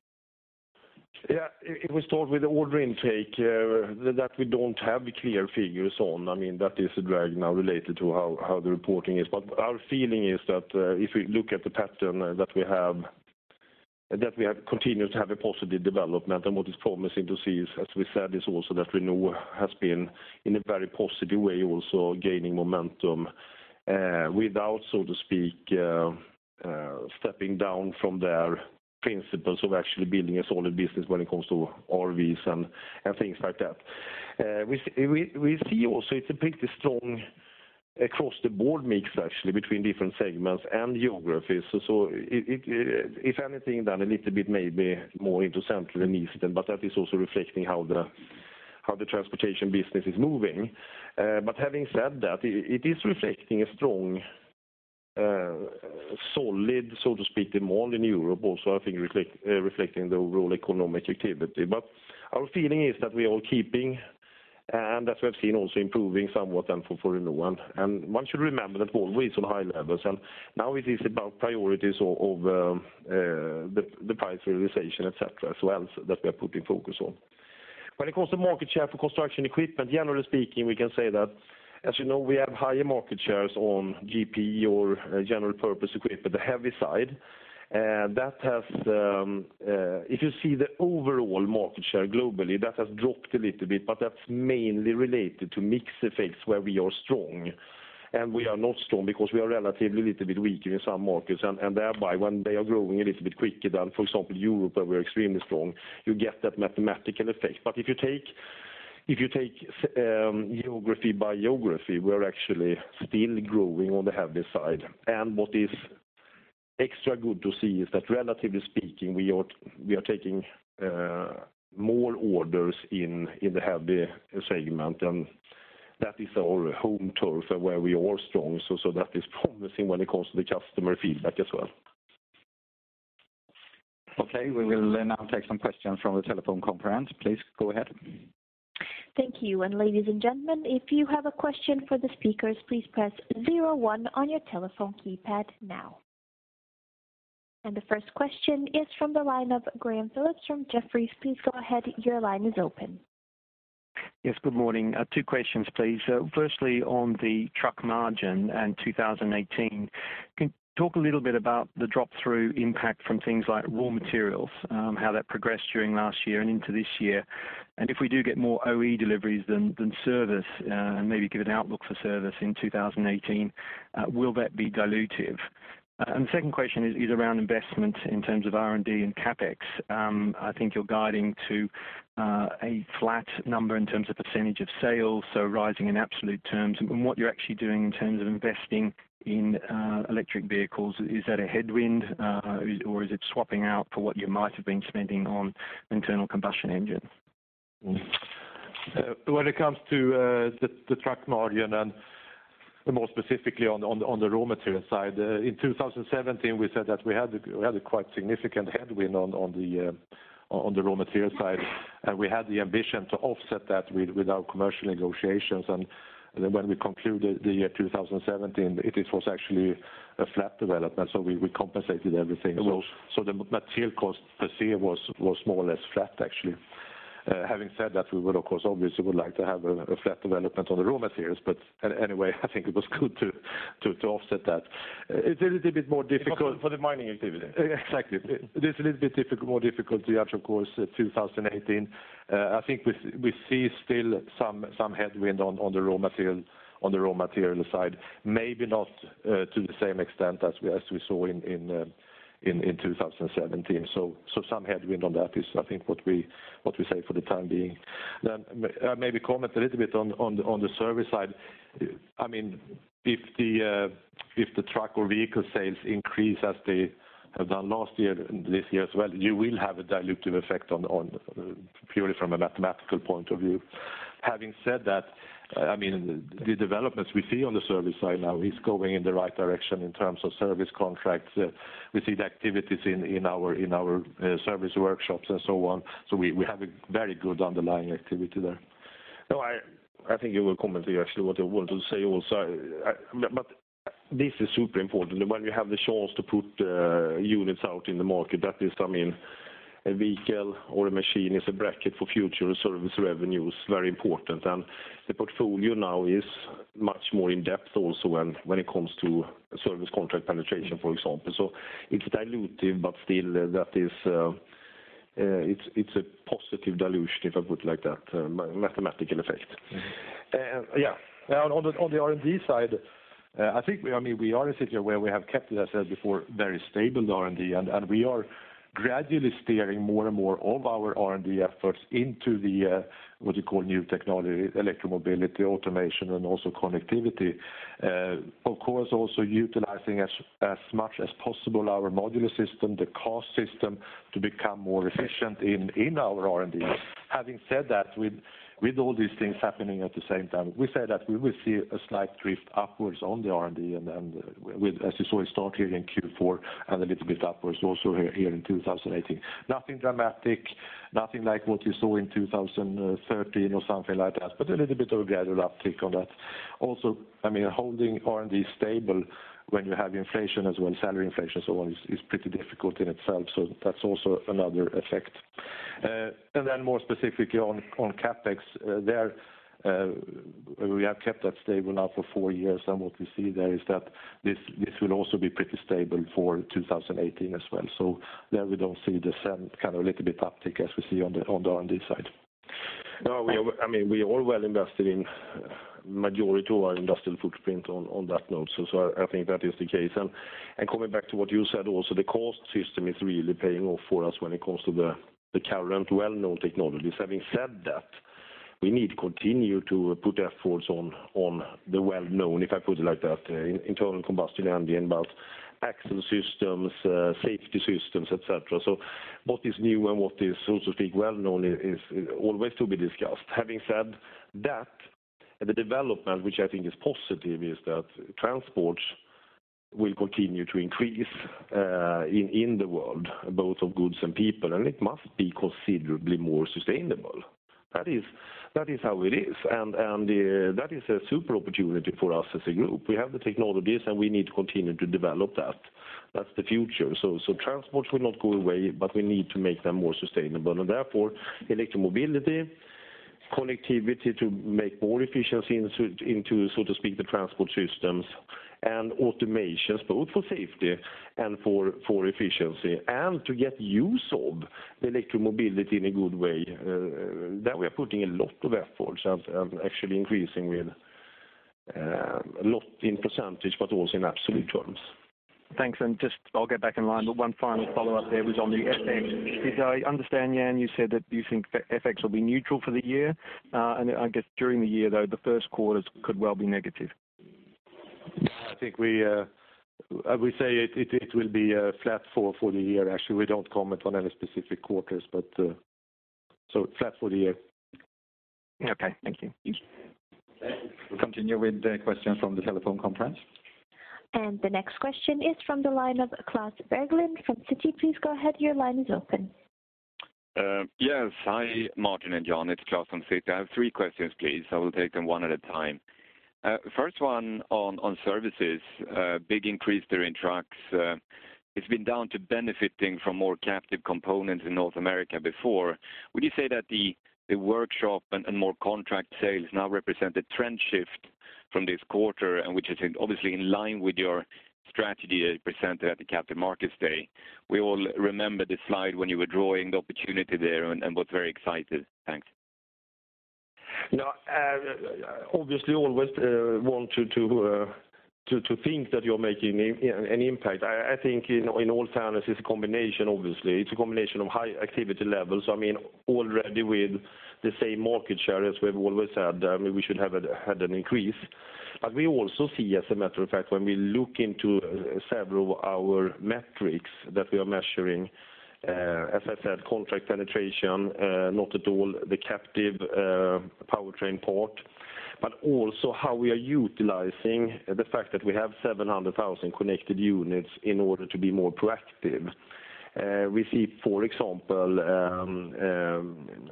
Yeah. If we start with the order intake, that we don't have clear figures on. That is a drag now related to how the reporting is. Our feeling is that if we look at the pattern that we have, that we continue to have a positive development. What is promising to see is, as we said, is also that Renault has been in a very positive way also gaining momentum without, so to speak, stepping down from their principles of actually building a solid business when it comes to RVs and things like that. We see also it's a pretty strong across-the-board mix actually, between different segments and geographies. If anything, then a little bit maybe more into Central and Eastern, but that is also reflecting how the transportation business is moving. Having said that, it is reflecting a strong, solid, so to speak, demand in Europe also, I think reflecting the overall economic activity. Our feeling is that we are keeping, and as we have seen also improving somewhat then for the new one. One should remember that always on high levels, and now it is about priorities of the price realization, et cetera, as well, that we are putting focus on. When it comes to market share for construction equipment, generally speaking, we can say that, as you know, we have higher market shares on GP or general purpose equipment, the heavy side. If you see the overall market share globally, that has dropped a little bit, that's mainly related to mix effects where we are strong. We are not strong because we are relatively a little bit weaker in some markets, and thereby when they are growing a little bit quicker than, for example, Europe, where we are extremely strong, you get that mathematical effect. If you take geography by geography, we are actually still growing on the heavy side. What is extra good to see is that relatively speaking, we are taking more orders in the heavy segment, and that is our home turf where we are strong. That is promising when it comes to the customer feedback as well. Okay, we will now take some questions from the telephone conference. Please go ahead. Thank you. Ladies and gentlemen, if you have a question for the speakers, please press 01 on your telephone keypad now. The first question is from the line of Graham Phillips from Jefferies. Please go ahead, your line is open. Yes, good morning. Two questions, please. Firstly, on the truck margin and 2018, can you talk a little bit about the drop-through impact from things like raw materials, how that progressed during last year and into this year? If we do get more OE deliveries than service, and maybe give an outlook for service in 2018, will that be dilutive? The second question is around investment in terms of R&D and CapEx. I think you're guiding to a flat number in terms of percentage of sales, so rising in absolute terms, what you're actually doing in terms of investing in electric vehicles. Is that a headwind, or is it swapping out for what you might have been spending on internal combustion engine? When it comes to the truck margin, and more specifically on the raw material side, in 2017, we said that we had a quite significant headwind on the raw material side, and we had the ambition to offset that with our commercial negotiations. When we concluded the year 2017, it was actually a flat development, so we compensated everything. The material cost per se was more or less flat, actually. Having said that, we would, of course, obviously would like to have a flat development on the raw materials. Anyway, I think it was good to offset that. For the mining activity. Exactly. It is a little bit more difficult, yeah, of course, 2018. I think we see still some headwind on the raw material side. Maybe not to the same extent as we saw in 2017. Some headwind on that is, I think, what we say for the time being. Maybe comment a little bit on the service side. If the truck or vehicle sales increase as they have done last year and this year as well, you will have a dilutive effect purely from a mathematical point of view. Having said that, the developments we see on the service side now is going in the right direction in terms of service contracts. We see the activities in our service workshops and so on. We have a very good underlying activity there. No, I think you will comment actually what I want to say also. This is super important. When we have the chance to put units out in the market, that is, a vehicle or a machine is a bracket for future service revenues, very important. The portfolio now is much more in depth also when it comes to service contract penetration, for example. It's dilutive, but still it's a positive dilution, if I put it like that, mathematical effect. The R&D side, we are in a situation where we have kept, as I said before, very stable R&D, and we are gradually steering more and more of our R&D efforts into the what you call new technology, electromobility, automation, and also connectivity. Of course, also utilizing as much as possible our modular system, the cost system, to become more efficient in our R&D. Having said that, with all these things happening at the same time, we say that we will see a slight drift upwards on the R&D, and as you saw, it start here in Q4 and a little bit upwards also here in 2018. Nothing dramatic, nothing like what you saw in 2013 or something like that, but a little bit of a gradual uptick on that. Holding R&D stable when you have inflation as well, salary inflation, so on, is pretty difficult in itself. That's also another effect. More specifically on CapEx, there we have kept that stable now for four years, and what we see there is that this will also be pretty stable for 2018 as well. There we don't see the same kind of a little bit uptick as we see on the R&D side. We are well invested in majority of our industrial footprint on that note, so I think that is the case. Coming back to what you said also, the cost system is really paying off for us when it comes to the current well-known technologies. Having said that, we need to continue to put efforts on the well-known, if I put it like that, internal combustion engine, but axle systems, safety systems, et cetera. What is new and what is, so to speak, well-known is always to be discussed. Having said that, the development, which I think is positive, is that transport will continue to increase in the world, both of goods and people, and it must be considerably more sustainable. That is how it is. That is a super opportunity for us as a group. We have the technologies, and we need to continue to develop that. That's the future. Transport will not go away, but we need to make them more sustainable. Therefore, electromobility, connectivity to make more efficiency into, so to speak, the transport systems, and automations, both for safety and for efficiency, and to get use of the electromobility in a good way that we are putting a lot of efforts and actually increasing with a lot in percentage but also in absolute terms. Thanks. Just I'll get back in line. One final follow-up there was on the FX. As I understand, Jan, you said that you think FX will be neutral for the year, and I guess during the year, though, the first quarters could well be negative. I think we say it will be flat for the year, actually. We don't comment on any specific quarters. Flat for the year. Okay. Thank you. Continue with the question from the telephone conference. The next question is from the line of Klas Bergelind from Citi. Please go ahead. Your line is open. Yes. Hi, Martin and Jan, it's Klas from Citi. I have three questions, please. I will take them one at a time. First one on services, big increase there in trucks. It's been down to benefiting from more captive components in North America before. Would you say that the workshop and more contract sales now represent a trend shift from this quarter and which is obviously in line with your strategy presented at the Capital Markets Day? We all remember the slide when you were drawing the opportunity there and was very excited. Thanks. Obviously, always want to think that you're making an impact. I think in all fairness, it's a combination, obviously. It's a combination of high activity levels. Already with the same market share, as we've always said, we should have had an increase. We also see, as a matter of fact, when we look into several of our metrics that we are measuring, as I said, contract penetration, not at all the captive powertrain part, but also how we are utilizing the fact that we have 700,000 connected units in order to be more proactive. We see, for example,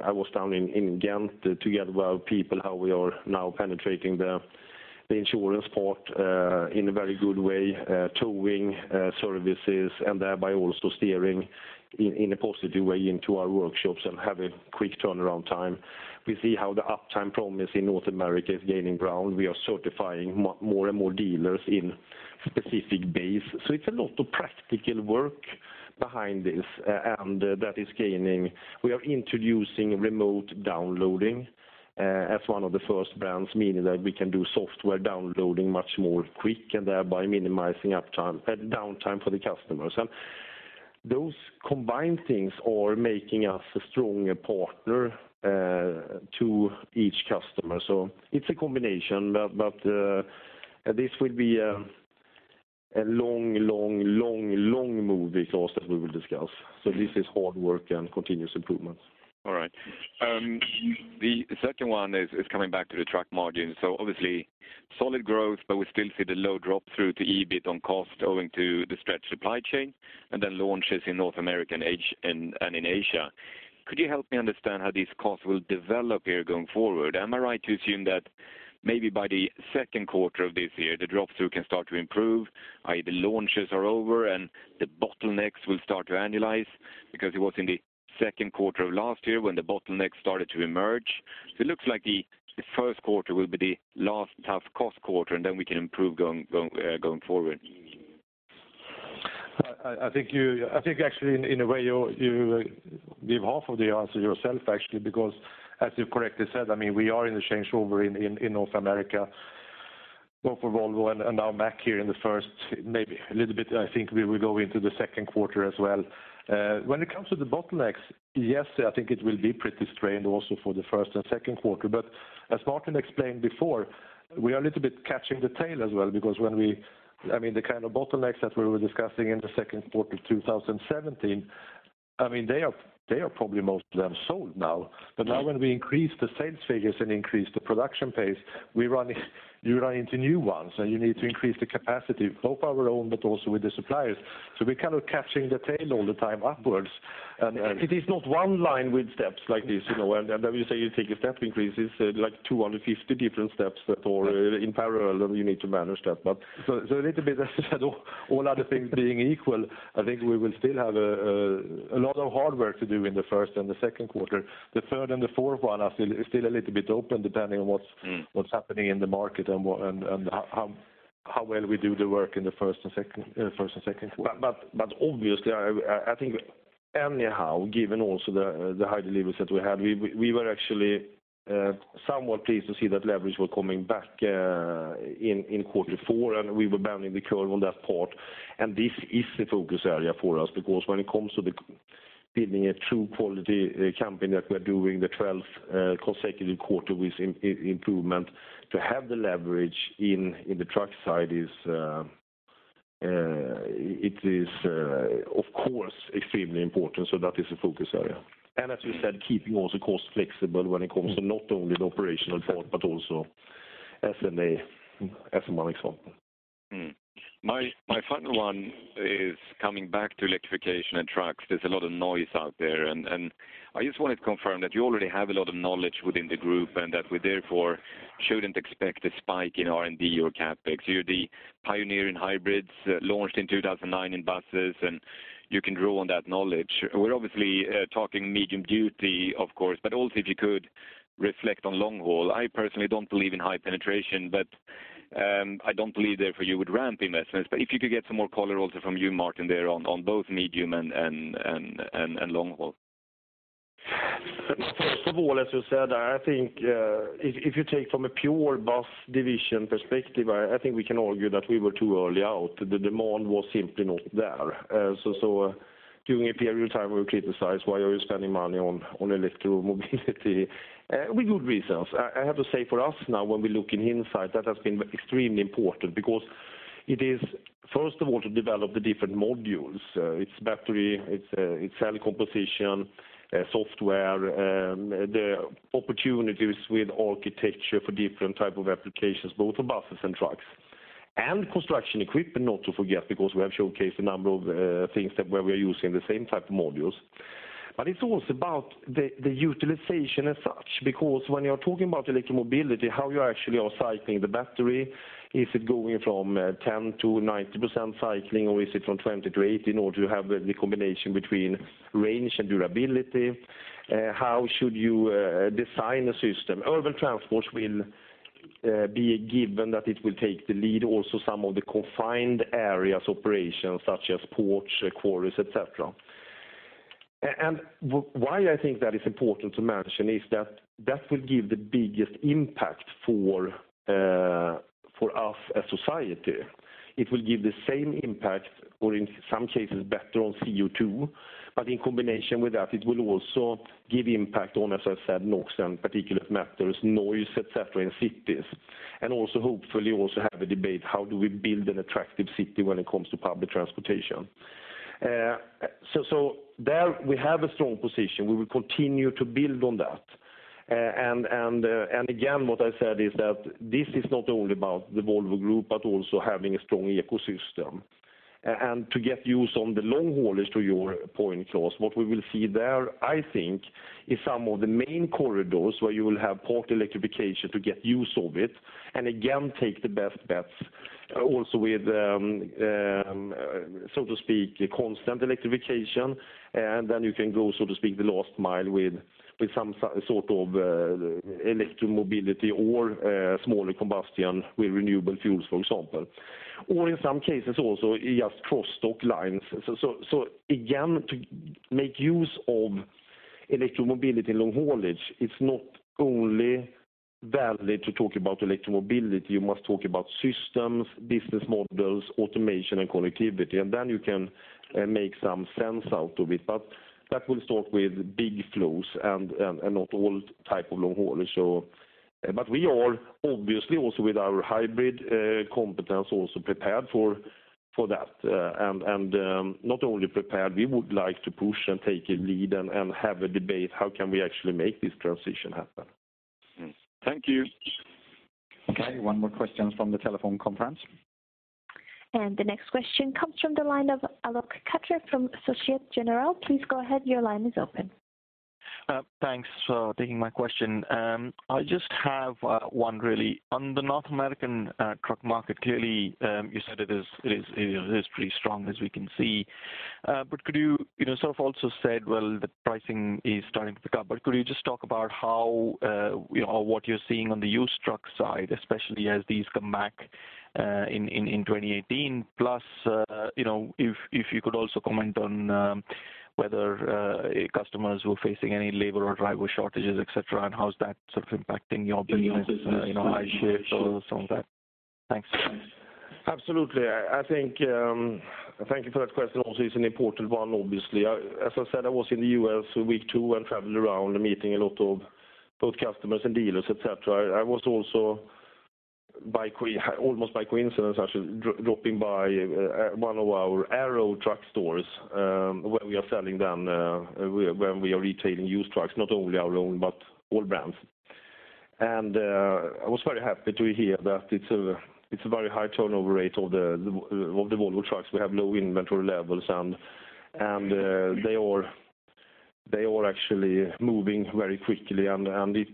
I was down in Ghent together with our people, how we are now penetrating the insurance part in a very good way, towing services, and thereby also steering in a positive way into our workshops and have a quick turnaround time. We see how the Uptime Promise in North America is gaining ground. We are certifying more and more dealers in specific base. It's a lot of practical work behind this, and that is gaining. We are introducing remote downloading as one of the first brands, meaning that we can do software downloading much more quick and thereby minimizing downtime for the customers. Those combined things are making us a stronger partner to each customer. It's a combination, but this will be a long movie also, as we will discuss. This is hard work and continuous improvements. All right. The second one is coming back to the truck margin. Obviously, solid growth, but we still see the low drop through to EBIT on cost owing to the stretched supply chain and then launches in North America and in Asia. Could you help me understand how these costs will develop here going forward? Am I right to assume that maybe by the second quarter of this year, the drop through can start to improve, i.e. the launches are over and the bottlenecks will start to annualize because it was in the second quarter of last year when the bottlenecks started to emerge? It looks like the first quarter will be the last tough cost quarter, and then we can improve going forward. I think actually in a way, you give half of the answer yourself actually, because as you correctly said, we are in the changeover in North America, both for Volvo and now Mack here in the first, maybe a little bit, I think we will go into the second quarter as well. When it comes to the bottlenecks, yes, I think it will be pretty strained also for the first and second quarter. As Martin explained before, we are a little bit catching the tail as well because the kind of bottlenecks that we were discussing in the second quarter of 2017, they are probably most of them sold now. Now when we increase the sales figures and increase the production pace, you run into new ones, and you need to increase the capacity, both our own, but also with the suppliers. We're kind of catching the tail all the time upwards. It is not one line with steps like this, and then you say you take a step increases like 250 different steps that are in parallel, and you need to manage that. A little bit, as I said, all other things being equal, I think we will still have a lot of hard work to do in the first and the second quarter. The third and the fourth one are still a little bit open, depending on what's happening in the market and how well we do the work in the first and second quarter. Obviously, I think anyhow, given also the high deliveries that we had, we were actually somewhat pleased to see that leverage was coming back in quarter four, and we were bending the curve on that part. This is the focus area for us because when it comes to the Building a true quality company that we are doing the 12th consecutive quarter with improvement to have the leverage in the truck side, it is of course extremely important. That is a focus area. As you said, keeping also cost flexible when it comes to not only the operational part, but also SG&A, as one example. My final one is coming back to electrification and trucks. There's a lot of noise out there, and I just wanted to confirm that you already have a lot of knowledge within the group, and that we therefore shouldn't expect a spike in R&D or CapEx. You're the pioneer in hybrids, launched in 2009 in buses, and you can draw on that knowledge. We're obviously talking medium duty, of course, but also if you could reflect on long haul. I personally don't believe in high penetration, but I don't believe therefore you would ramp investments. If you could get some more color also from you, Martin, there on both medium and long haul. First of all, as you said, I think if you take from a pure bus division perspective, I think we can argue that we were too early out. The demand was simply not there. During a period of time, we were criticized, "Why are you spending money on electric mobility?" With good reasons. I have to say for us now when we look in hindsight, that has been extremely important because it is first of all to develop the different modules. It's battery, it's cell composition, software, the opportunities with architecture for different type of applications, both for buses and trucks. Construction equipment, not to forget, because we have showcased a number of things where we are using the same type of modules. It's also about the utilization as such, because when you are talking about electric mobility, how you actually are cycling the battery, is it going from 10%-90% cycling, or is it from 20%-80% in order to have the combination between range and durability? How should you design a system? Urban transport will be a given that it will take the lead, also some of the confined areas operations such as ports, quarries, et cetera. Why I think that is important to mention is that will give the biggest impact for us as society. It will give the same impact, or in some cases better on CO2, in combination with that, it will also give impact on, as I said, NOx and particulate matters, noise, et cetera, in cities. Also hopefully also have a debate, how do we build an attractive city when it comes to public transportation? There we have a strong position. We will continue to build on that. Again, what I said is that this is not only about the Volvo Group, but also having a strong ecosystem. To get use on the long haulage to your point, Klas, what we will see there, I think, is some of the main corridors where you will have port electrification to get use of it, and again take the best bets also with, so to speak, constant electrification. You can go, so to speak, the last mile with some sort of electric mobility or smaller combustion with renewable fuels, for example. In some cases also just cross dock lines. Again, to make use of electric mobility in long haulage, it is not only valid to talk about electric mobility. You must talk about systems, business models, automation, and connectivity, and then you can make some sense out of it. That will start with big flows and not all type of long haul. We are obviously also with our hybrid competence also prepared for that. Not only prepared, we would like to push and take a lead and have a debate, how can we actually make this transition happen? Thank you. Okay, one more question from the telephone conference. The next question comes from the line of Alok Katre from Societe Generale. Please go ahead, your line is open. Thanks for taking my question. I just have one really. On the North American truck market, clearly, you said it is pretty strong as we can see. You sort of also said, well, the pricing is starting to pick up. Could you just talk about what you're seeing on the used truck side, especially as these come back in 2018? If you could also comment on whether customers were facing any labor or driver shortages, et cetera, and how is that sort of impacting your business- In your business higher shares or some of that. Thanks. Absolutely. Thank you for that question. It's an important one, obviously. As I said, I was in the U.S. for week two and traveled around, meeting a lot of both customers and dealers, et cetera. I was also, almost by coincidence actually, dropping by one of our Arrow Truck Sales, where we are retailing used trucks, not only our own, but all brands. I was very happy to hear that it's a very high turnover rate of the Volvo Trucks. We have low inventory levels, and they are actually moving very quickly.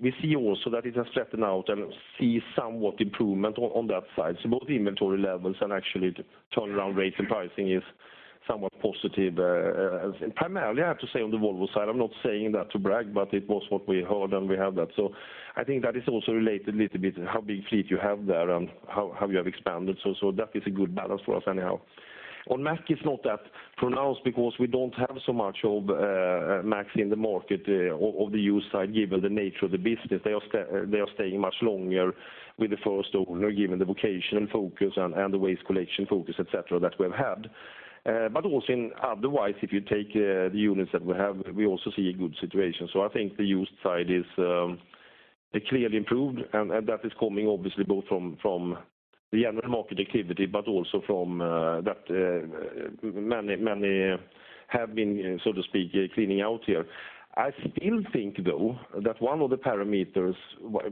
We see also that it has straightened out and see somewhat improvement on that side. Both inventory levels and actually turnaround rates and pricing is somewhat positive. Primarily, I have to say on the Volvo side, I'm not saying that to brag, but it was what we heard, and we have that. I think that is also related a little bit how big fleet you have there and how you have expanded. That is a good balance for us anyhow. On Mack, it is not that pronounced because we do not have so much of Mack in the market of the used side, given the nature of the business. They are staying much longer with the first owner, given the vocational focus and the waste collection focus, et cetera, that we have had. Also otherwise, if you take the units that we have, we also see a good situation. I think the used side is clearly improved, and that is coming obviously both from the general market activity, but also from that many have been, so to speak, cleaning out here. I still think, though, that one of the parameters,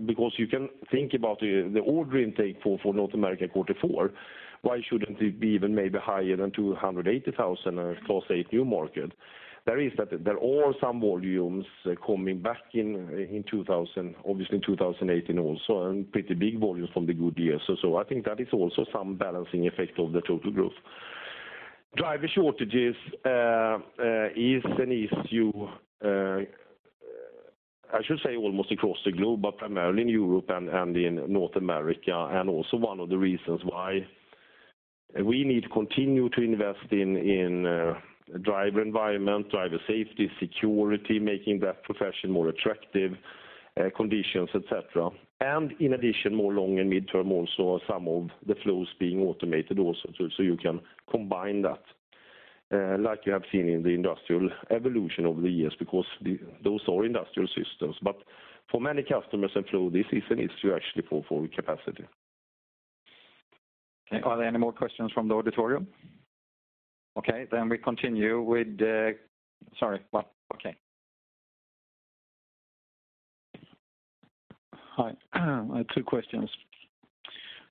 because you can think about the order intake for North America quarter four, why should not it be even maybe higher than 280,000 Class 8 new market? There are some volumes coming back in, obviously, 2018 also, and pretty big volumes from the good years. I think that is also some balancing effect of the total growth. Driver shortages is an issue, I should say, almost across the globe, but primarily in Europe and in North America, and also one of the reasons why we need to continue to invest in driver environment, driver safety, security, making that profession more attractive, conditions, et cetera. In addition, more long and midterm also, some of the flows being automated also, so you can combine that like you have seen in the industrial evolution over the years, because those are industrial systems. For many customers and flow, this is an issue, actually, for capacity. Are there any more questions from the auditorium? We continue with Sorry, what? Okay. Hi. I have two questions.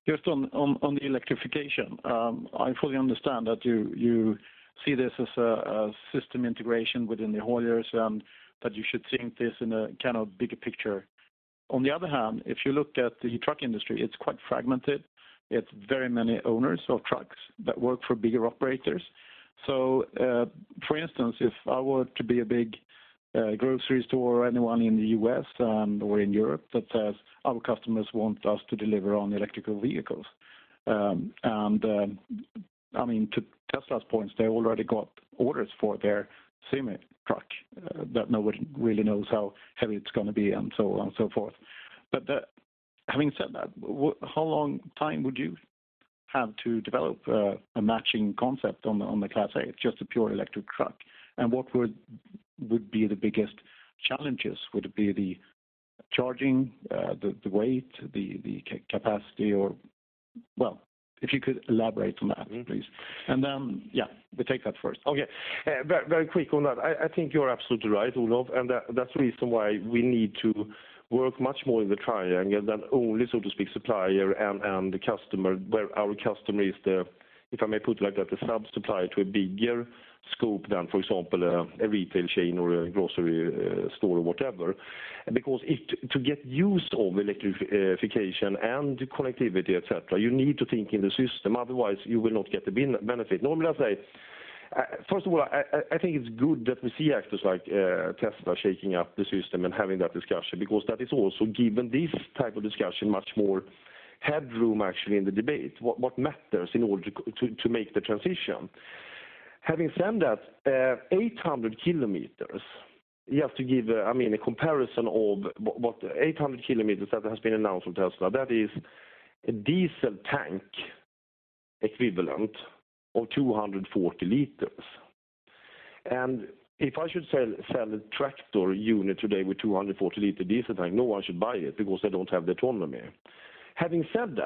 Just on the electrification. I fully understand that you see this as a system integration within the hauliers and that you should think this in a bigger picture. If you look at the truck industry, it's quite fragmented. It's very many owners of trucks that work for bigger operators. For instance, if I were to be a big grocery store or anyone in the U.S. or in Europe that says, "Our customers want us to deliver on electrical vehicles." To Tesla's points, they already got orders for their semi truck, that nobody really knows how heavy it's going to be and so on and so forth. Having said that, how long time would you have to develop a matching concept on the Class 8, just a pure electric truck? What would be the biggest challenges? Would it be the charging, the weight, the capacity? Well, if you could elaborate on that, please. We take that first. Okay. Very quick on that. I think you are absolutely right, Olof, that's the reason why we need to work much more in the triangle than only, so to speak, supplier and the customer, where our customer is the, if I may put it like that, the sub-supplier to a bigger scope than, for example, a retail chain or a grocery store or whatever. To get used of electrification and connectivity, et cetera, you need to think in the system, otherwise you will not get the benefit. First of all, I think it's good that we see actors like Tesla shaking up the system and having that discussion, because that is also giving this type of discussion much more headroom, actually, in the debate, what matters in order to make the transition. Having said that, 800 km, just to give a comparison of what 800 km that has been announced from Tesla, that is a diesel tank equivalent of 240 L. If I should sell a tractor unit today with 240-liter diesel tank, no one should buy it because they don't have the autonomy. Having said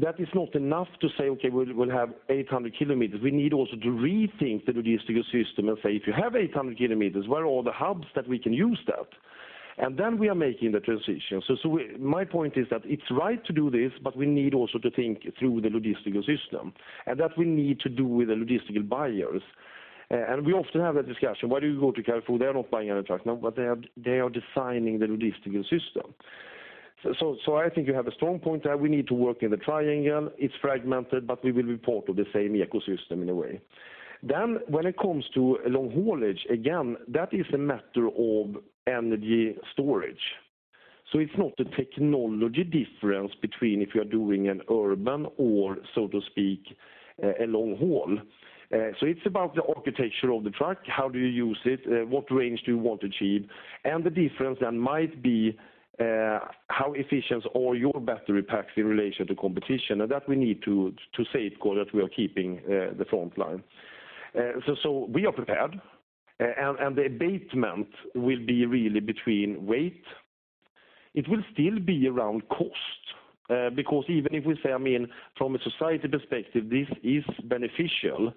that is not enough to say, "Okay, we'll have 800 km." We need also to rethink the logistical system and say, "If you have 800 km, where are all the hubs that we can use that?" We are making the transition. My point is that it's right to do this, we need also to think through the logistical system, and that we need to do with the logistical buyers. We often have that discussion, why do you go to Carrefour? They are not buying any trucks. They are designing the logistical system. I think you have a strong point there. We need to work in the triangle. It's fragmented, but we will be part of the same ecosystem in a way. When it comes to long haulage, again, that is a matter of energy storage. It's not a technology difference between if you are doing an urban or, so to speak, a long haul. It's about the architecture of the truck, how do you use it, what range do you want to achieve, and the difference then might be how efficient are your battery packs in relation to competition, and that we need to safeguard that we are keeping the front line. We are prepared, and the abatement will be really between weight. It will still be around cost, because even if we say, from a society perspective, this is beneficial,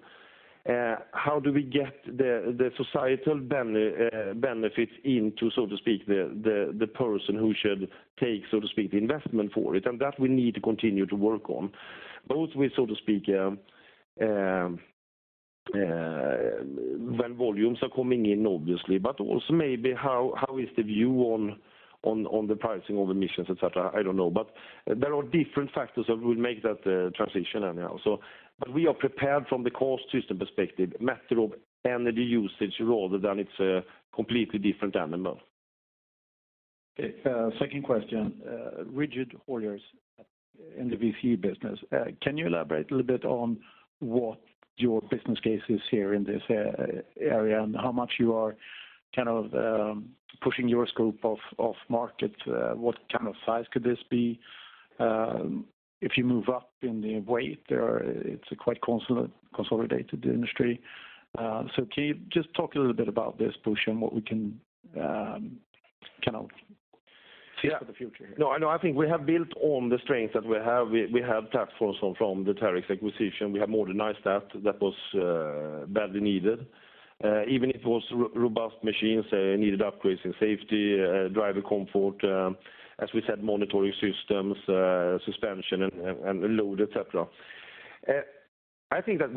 how do we get the societal benefits into, so to speak, the person who should take, so to speak, the investment for it? That we need to continue to work on, both with, so to speak, when volumes are coming in, obviously, but also maybe how is the view on the pricing of emissions, et cetera. I don't know. There are different factors that will make that transition anyhow. We are prepared from the cost system perspective, matter of energy usage rather than it's a completely different animal. Okay. Second question. Rigid hauliers in the VCE business. Can you elaborate a little bit on what your business case is here in this area and how much you are pushing your scope of market? What kind of size could this be? If you move up in the weight, it's a quite consolidated industry. Can you just talk a little bit about this, Lundstedt, and what we can see for the future here? I know. I think we have built on the strengths that we have. We have platforms from the Terex acquisition. We have modernized that. That was badly needed. Even if it was robust machines, they needed upgrades in safety, driver comfort, as we said, monitoring systems, suspension, and load, et cetera. I think that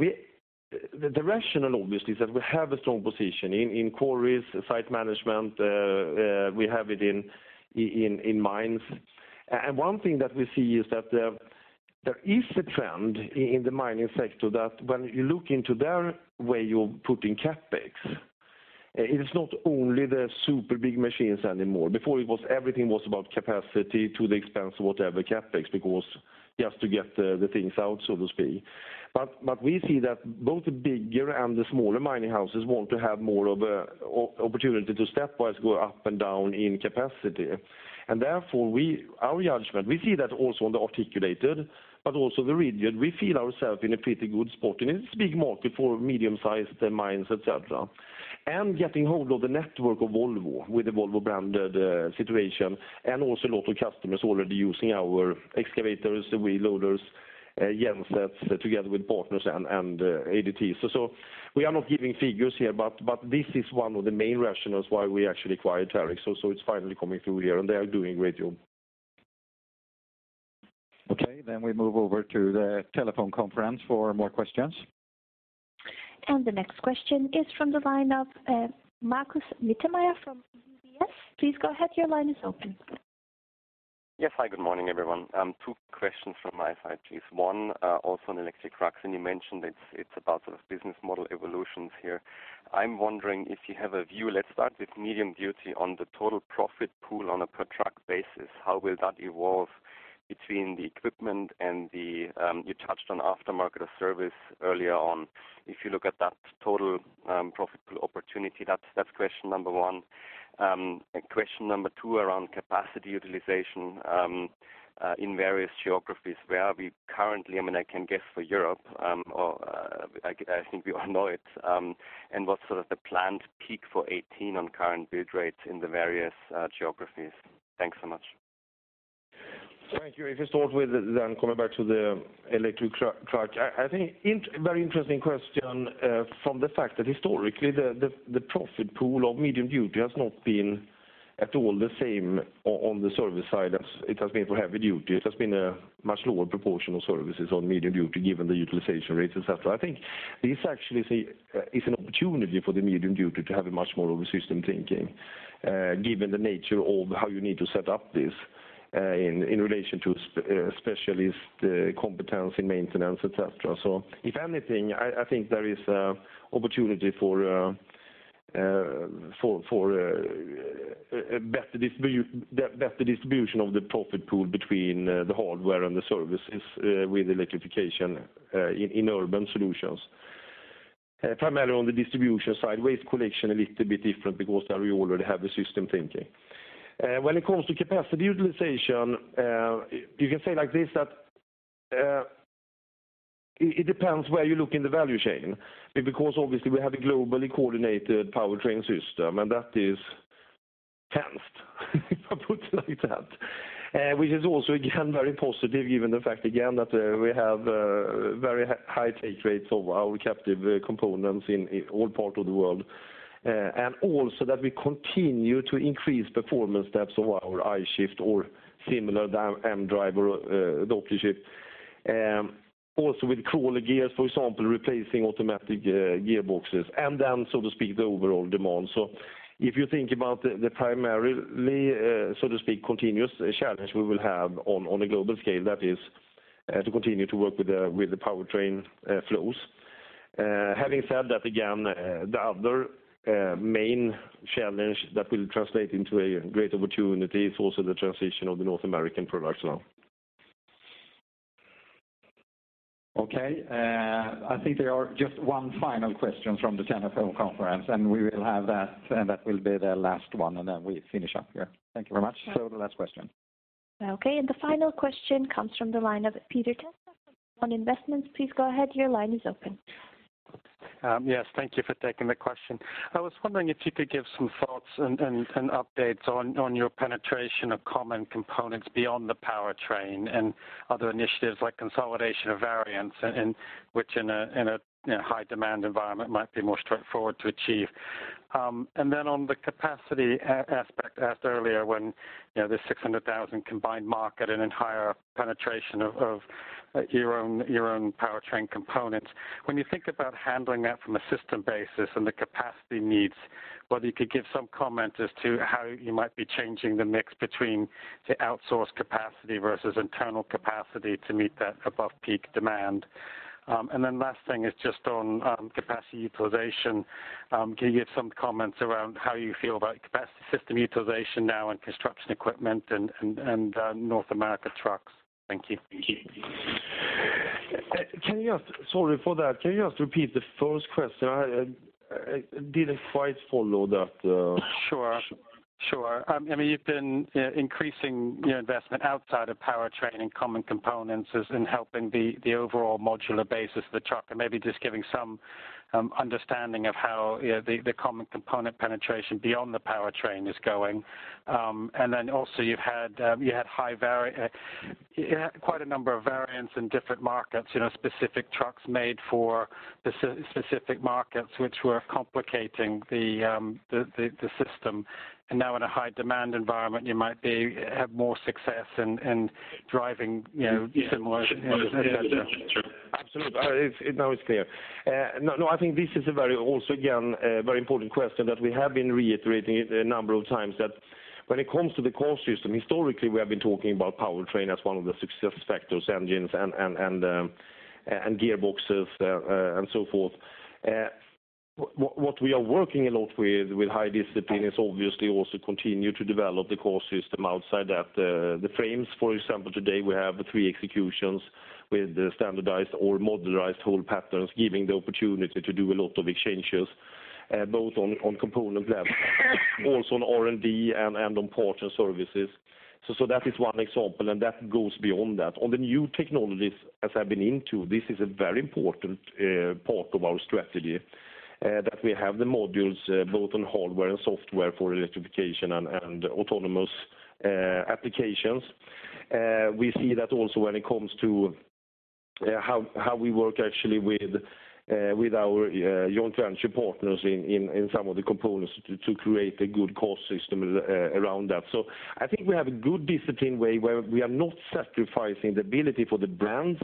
the rationale, obviously, is that we have a strong position in quarries, site management. We have it in mines. One thing that we see is that there is a trend in the mining sector that when you look into their way you're putting CapEx, it is not only the super big machines anymore. Before, everything was about capacity to the expense of whatever CapEx, because just to get the things out, so to speak. We see that both the bigger and the smaller mining houses want to have more of a opportunity to stepwise go up and down in capacity. Therefore, our judgment, we see that also on the articulated, but also the rigid. We feel ourself in a pretty good spot, and it is a big market for medium-sized mines, et cetera. Getting hold of the network of Volvo with the Volvo branded situation, and also a lot of customers already using our excavators, wheel loaders, gensets, together with partners and ADTs. We are not giving figures here, but this is one of the main rationales why we actually acquired Terex. It's finally coming through here, and they are doing a great job. We move over to the telephone conference for more questions. The next question is from the line of Marcus Mittemeijer from DNB. Please go ahead, your line is open. Yes. Hi, good morning, everyone. Two questions from my side, please. One, also on electric trucks, and you mentioned it's about sort of business model evolutions here. I'm wondering if you have a view, let's start with medium duty on the total profit pool on a per truck basis. How will that evolve between the equipment and the, you touched on aftermarket service earlier on. If you look at that total profit pool opportunity. That's question number one. Question number two around capacity utilization in various geographies. Where are we currently? I can guess for Europe, or I think we all know it, and what's sort of the planned peak for 2018 on current build rates in the various geographies? Thanks so much. Thank you. If you start with coming back to the electric truck, I think very interesting question from the fact that historically the profit pool of medium duty has not been at all the same on the service side as it has been for heavy duty. It has been a much lower proportion of services on medium duty given the utilization rates, et cetera. I think this actually is an opportunity for the medium duty to have a much more of a system thinking, given the nature of how you need to set up this, in relation to specialist competence in maintenance, et cetera. If anything, I think there is opportunity for a better distribution of the profit pool between the hardware and the services with electrification in urban solutions. Primarily on the distribution side, waste collection a little bit different because there we already have the system thinking. When it comes to capacity utilization, you can say like this, that it depends where you look in the value chain. Obviously we have a globally coordinated powertrain system, and that is tensed, if I put it like that. Which is also, again, very positive given the fact, again, that we have very high take rates of our captive components in all parts of the world. Also that we continue to increase performance steps of our I-Shift or similar, the mDRIVE, the Auto Shift. Also with crawler gears, for example, replacing automatic gearboxes, so to speak, the overall demand. If you think about the primarily, so to speak, continuous challenge we will have on a global scale, that is to continue to work with the powertrain flows. Having said that, again, the other main challenge that will translate into a great opportunity is also the transition of the North American production line. Okay. I think there are just one final question from the telephone conference, we will have that will be the last one, we finish up here. Thank you very much. The last question. Okay, the final question comes from the line of Peter Test, One Investments. Please go ahead, your line is open. Yes, thank you for taking the question. I was wondering if you could give some thoughts and updates on your penetration of common components beyond the powertrain and other initiatives like consolidation of variants, which in a high demand environment might be more straightforward to achieve. On the capacity aspect asked earlier when there's 600,000 combined market and higher penetration of your own powertrain components. When you think about handling that from a system basis and the capacity needs, whether you could give some comment as to how you might be changing the mix between the outsourced capacity versus internal capacity to meet that above peak demand. Last thing is just on capacity utilization. Can you give some comments around how you feel about capacity system utilization now in construction equipment and North America trucks? Thank you. Sorry for that. Can you just repeat the first question? I didn't quite follow that. Sure. You've been increasing your investment outside of powertrain common components in helping the overall modular base of the truck, maybe just giving some understanding of how the common component penetration beyond the powertrain is going. Also you had quite a number of variants in different markets, specific trucks made for specific markets, which were complicating the system. Now in a high-demand environment, you might have more success in driving. Sure. Absolutely. Now it's clear. I think this is also, again, a very important question that we have been reiterating a number of times that when it comes to the core system, historically, we have been talking about powertrain as one of the success factors, engines, and gearboxes, and so forth. What we are working a lot with high discipline is obviously also continue to develop the core system outside that. The frames, for example, today we have three executions with standardized or modularized hole patterns, giving the opportunity to do a lot of exchanges, both on component level, also on R&D, and on parts and services. That is one example, and that goes beyond that. On the new technologies, as I've been into, this is a very important part of our strategy, that we have the modules both on hardware and software for electrification and autonomous applications. We see that also when it comes to how we work actually with our joint venture partners in some of the components to create a good core system around that. I think we have a good discipline where we are not sacrificing the ability for the brands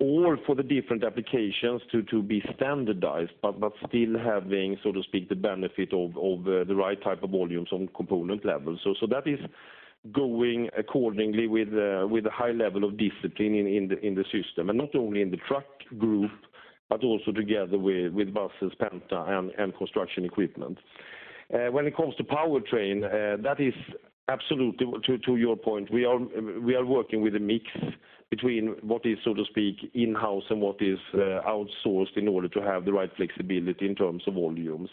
or for the different applications to be standardized, but still having, so to speak, the benefit of the right type of volumes on component level. That is going accordingly with a high level of discipline in the system, and not only in the truck group, but also together with buses, Penta, and construction equipment. When it comes to powertrain, that is absolutely to your point. We are working with a mix between what is, so to speak, in-house and what is outsourced in order to have the right flexibility in terms of volumes.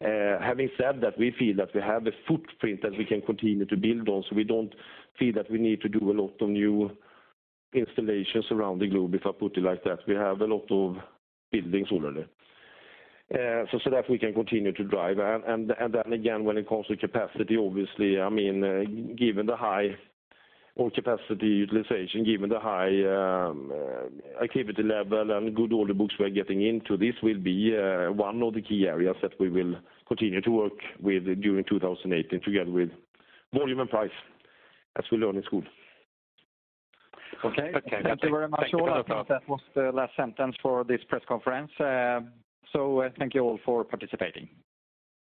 Having said that, we feel that we have a footprint that we can continue to build on, so we don't feel that we need to do a lot of new installations around the globe, if I put it like that. We have a lot of buildings already. That we can continue to drive. Again, when it comes to capacity, obviously, given the high capacity utilization, given the high activity level and good order books we are getting into, this will be one of the key areas that we will continue to work with during 2018, together with volume and price, as we learn in school. Okay. Thank you very much, Martin. Thank you. I think that was the last sentence for this press conference. Thank you all for participating.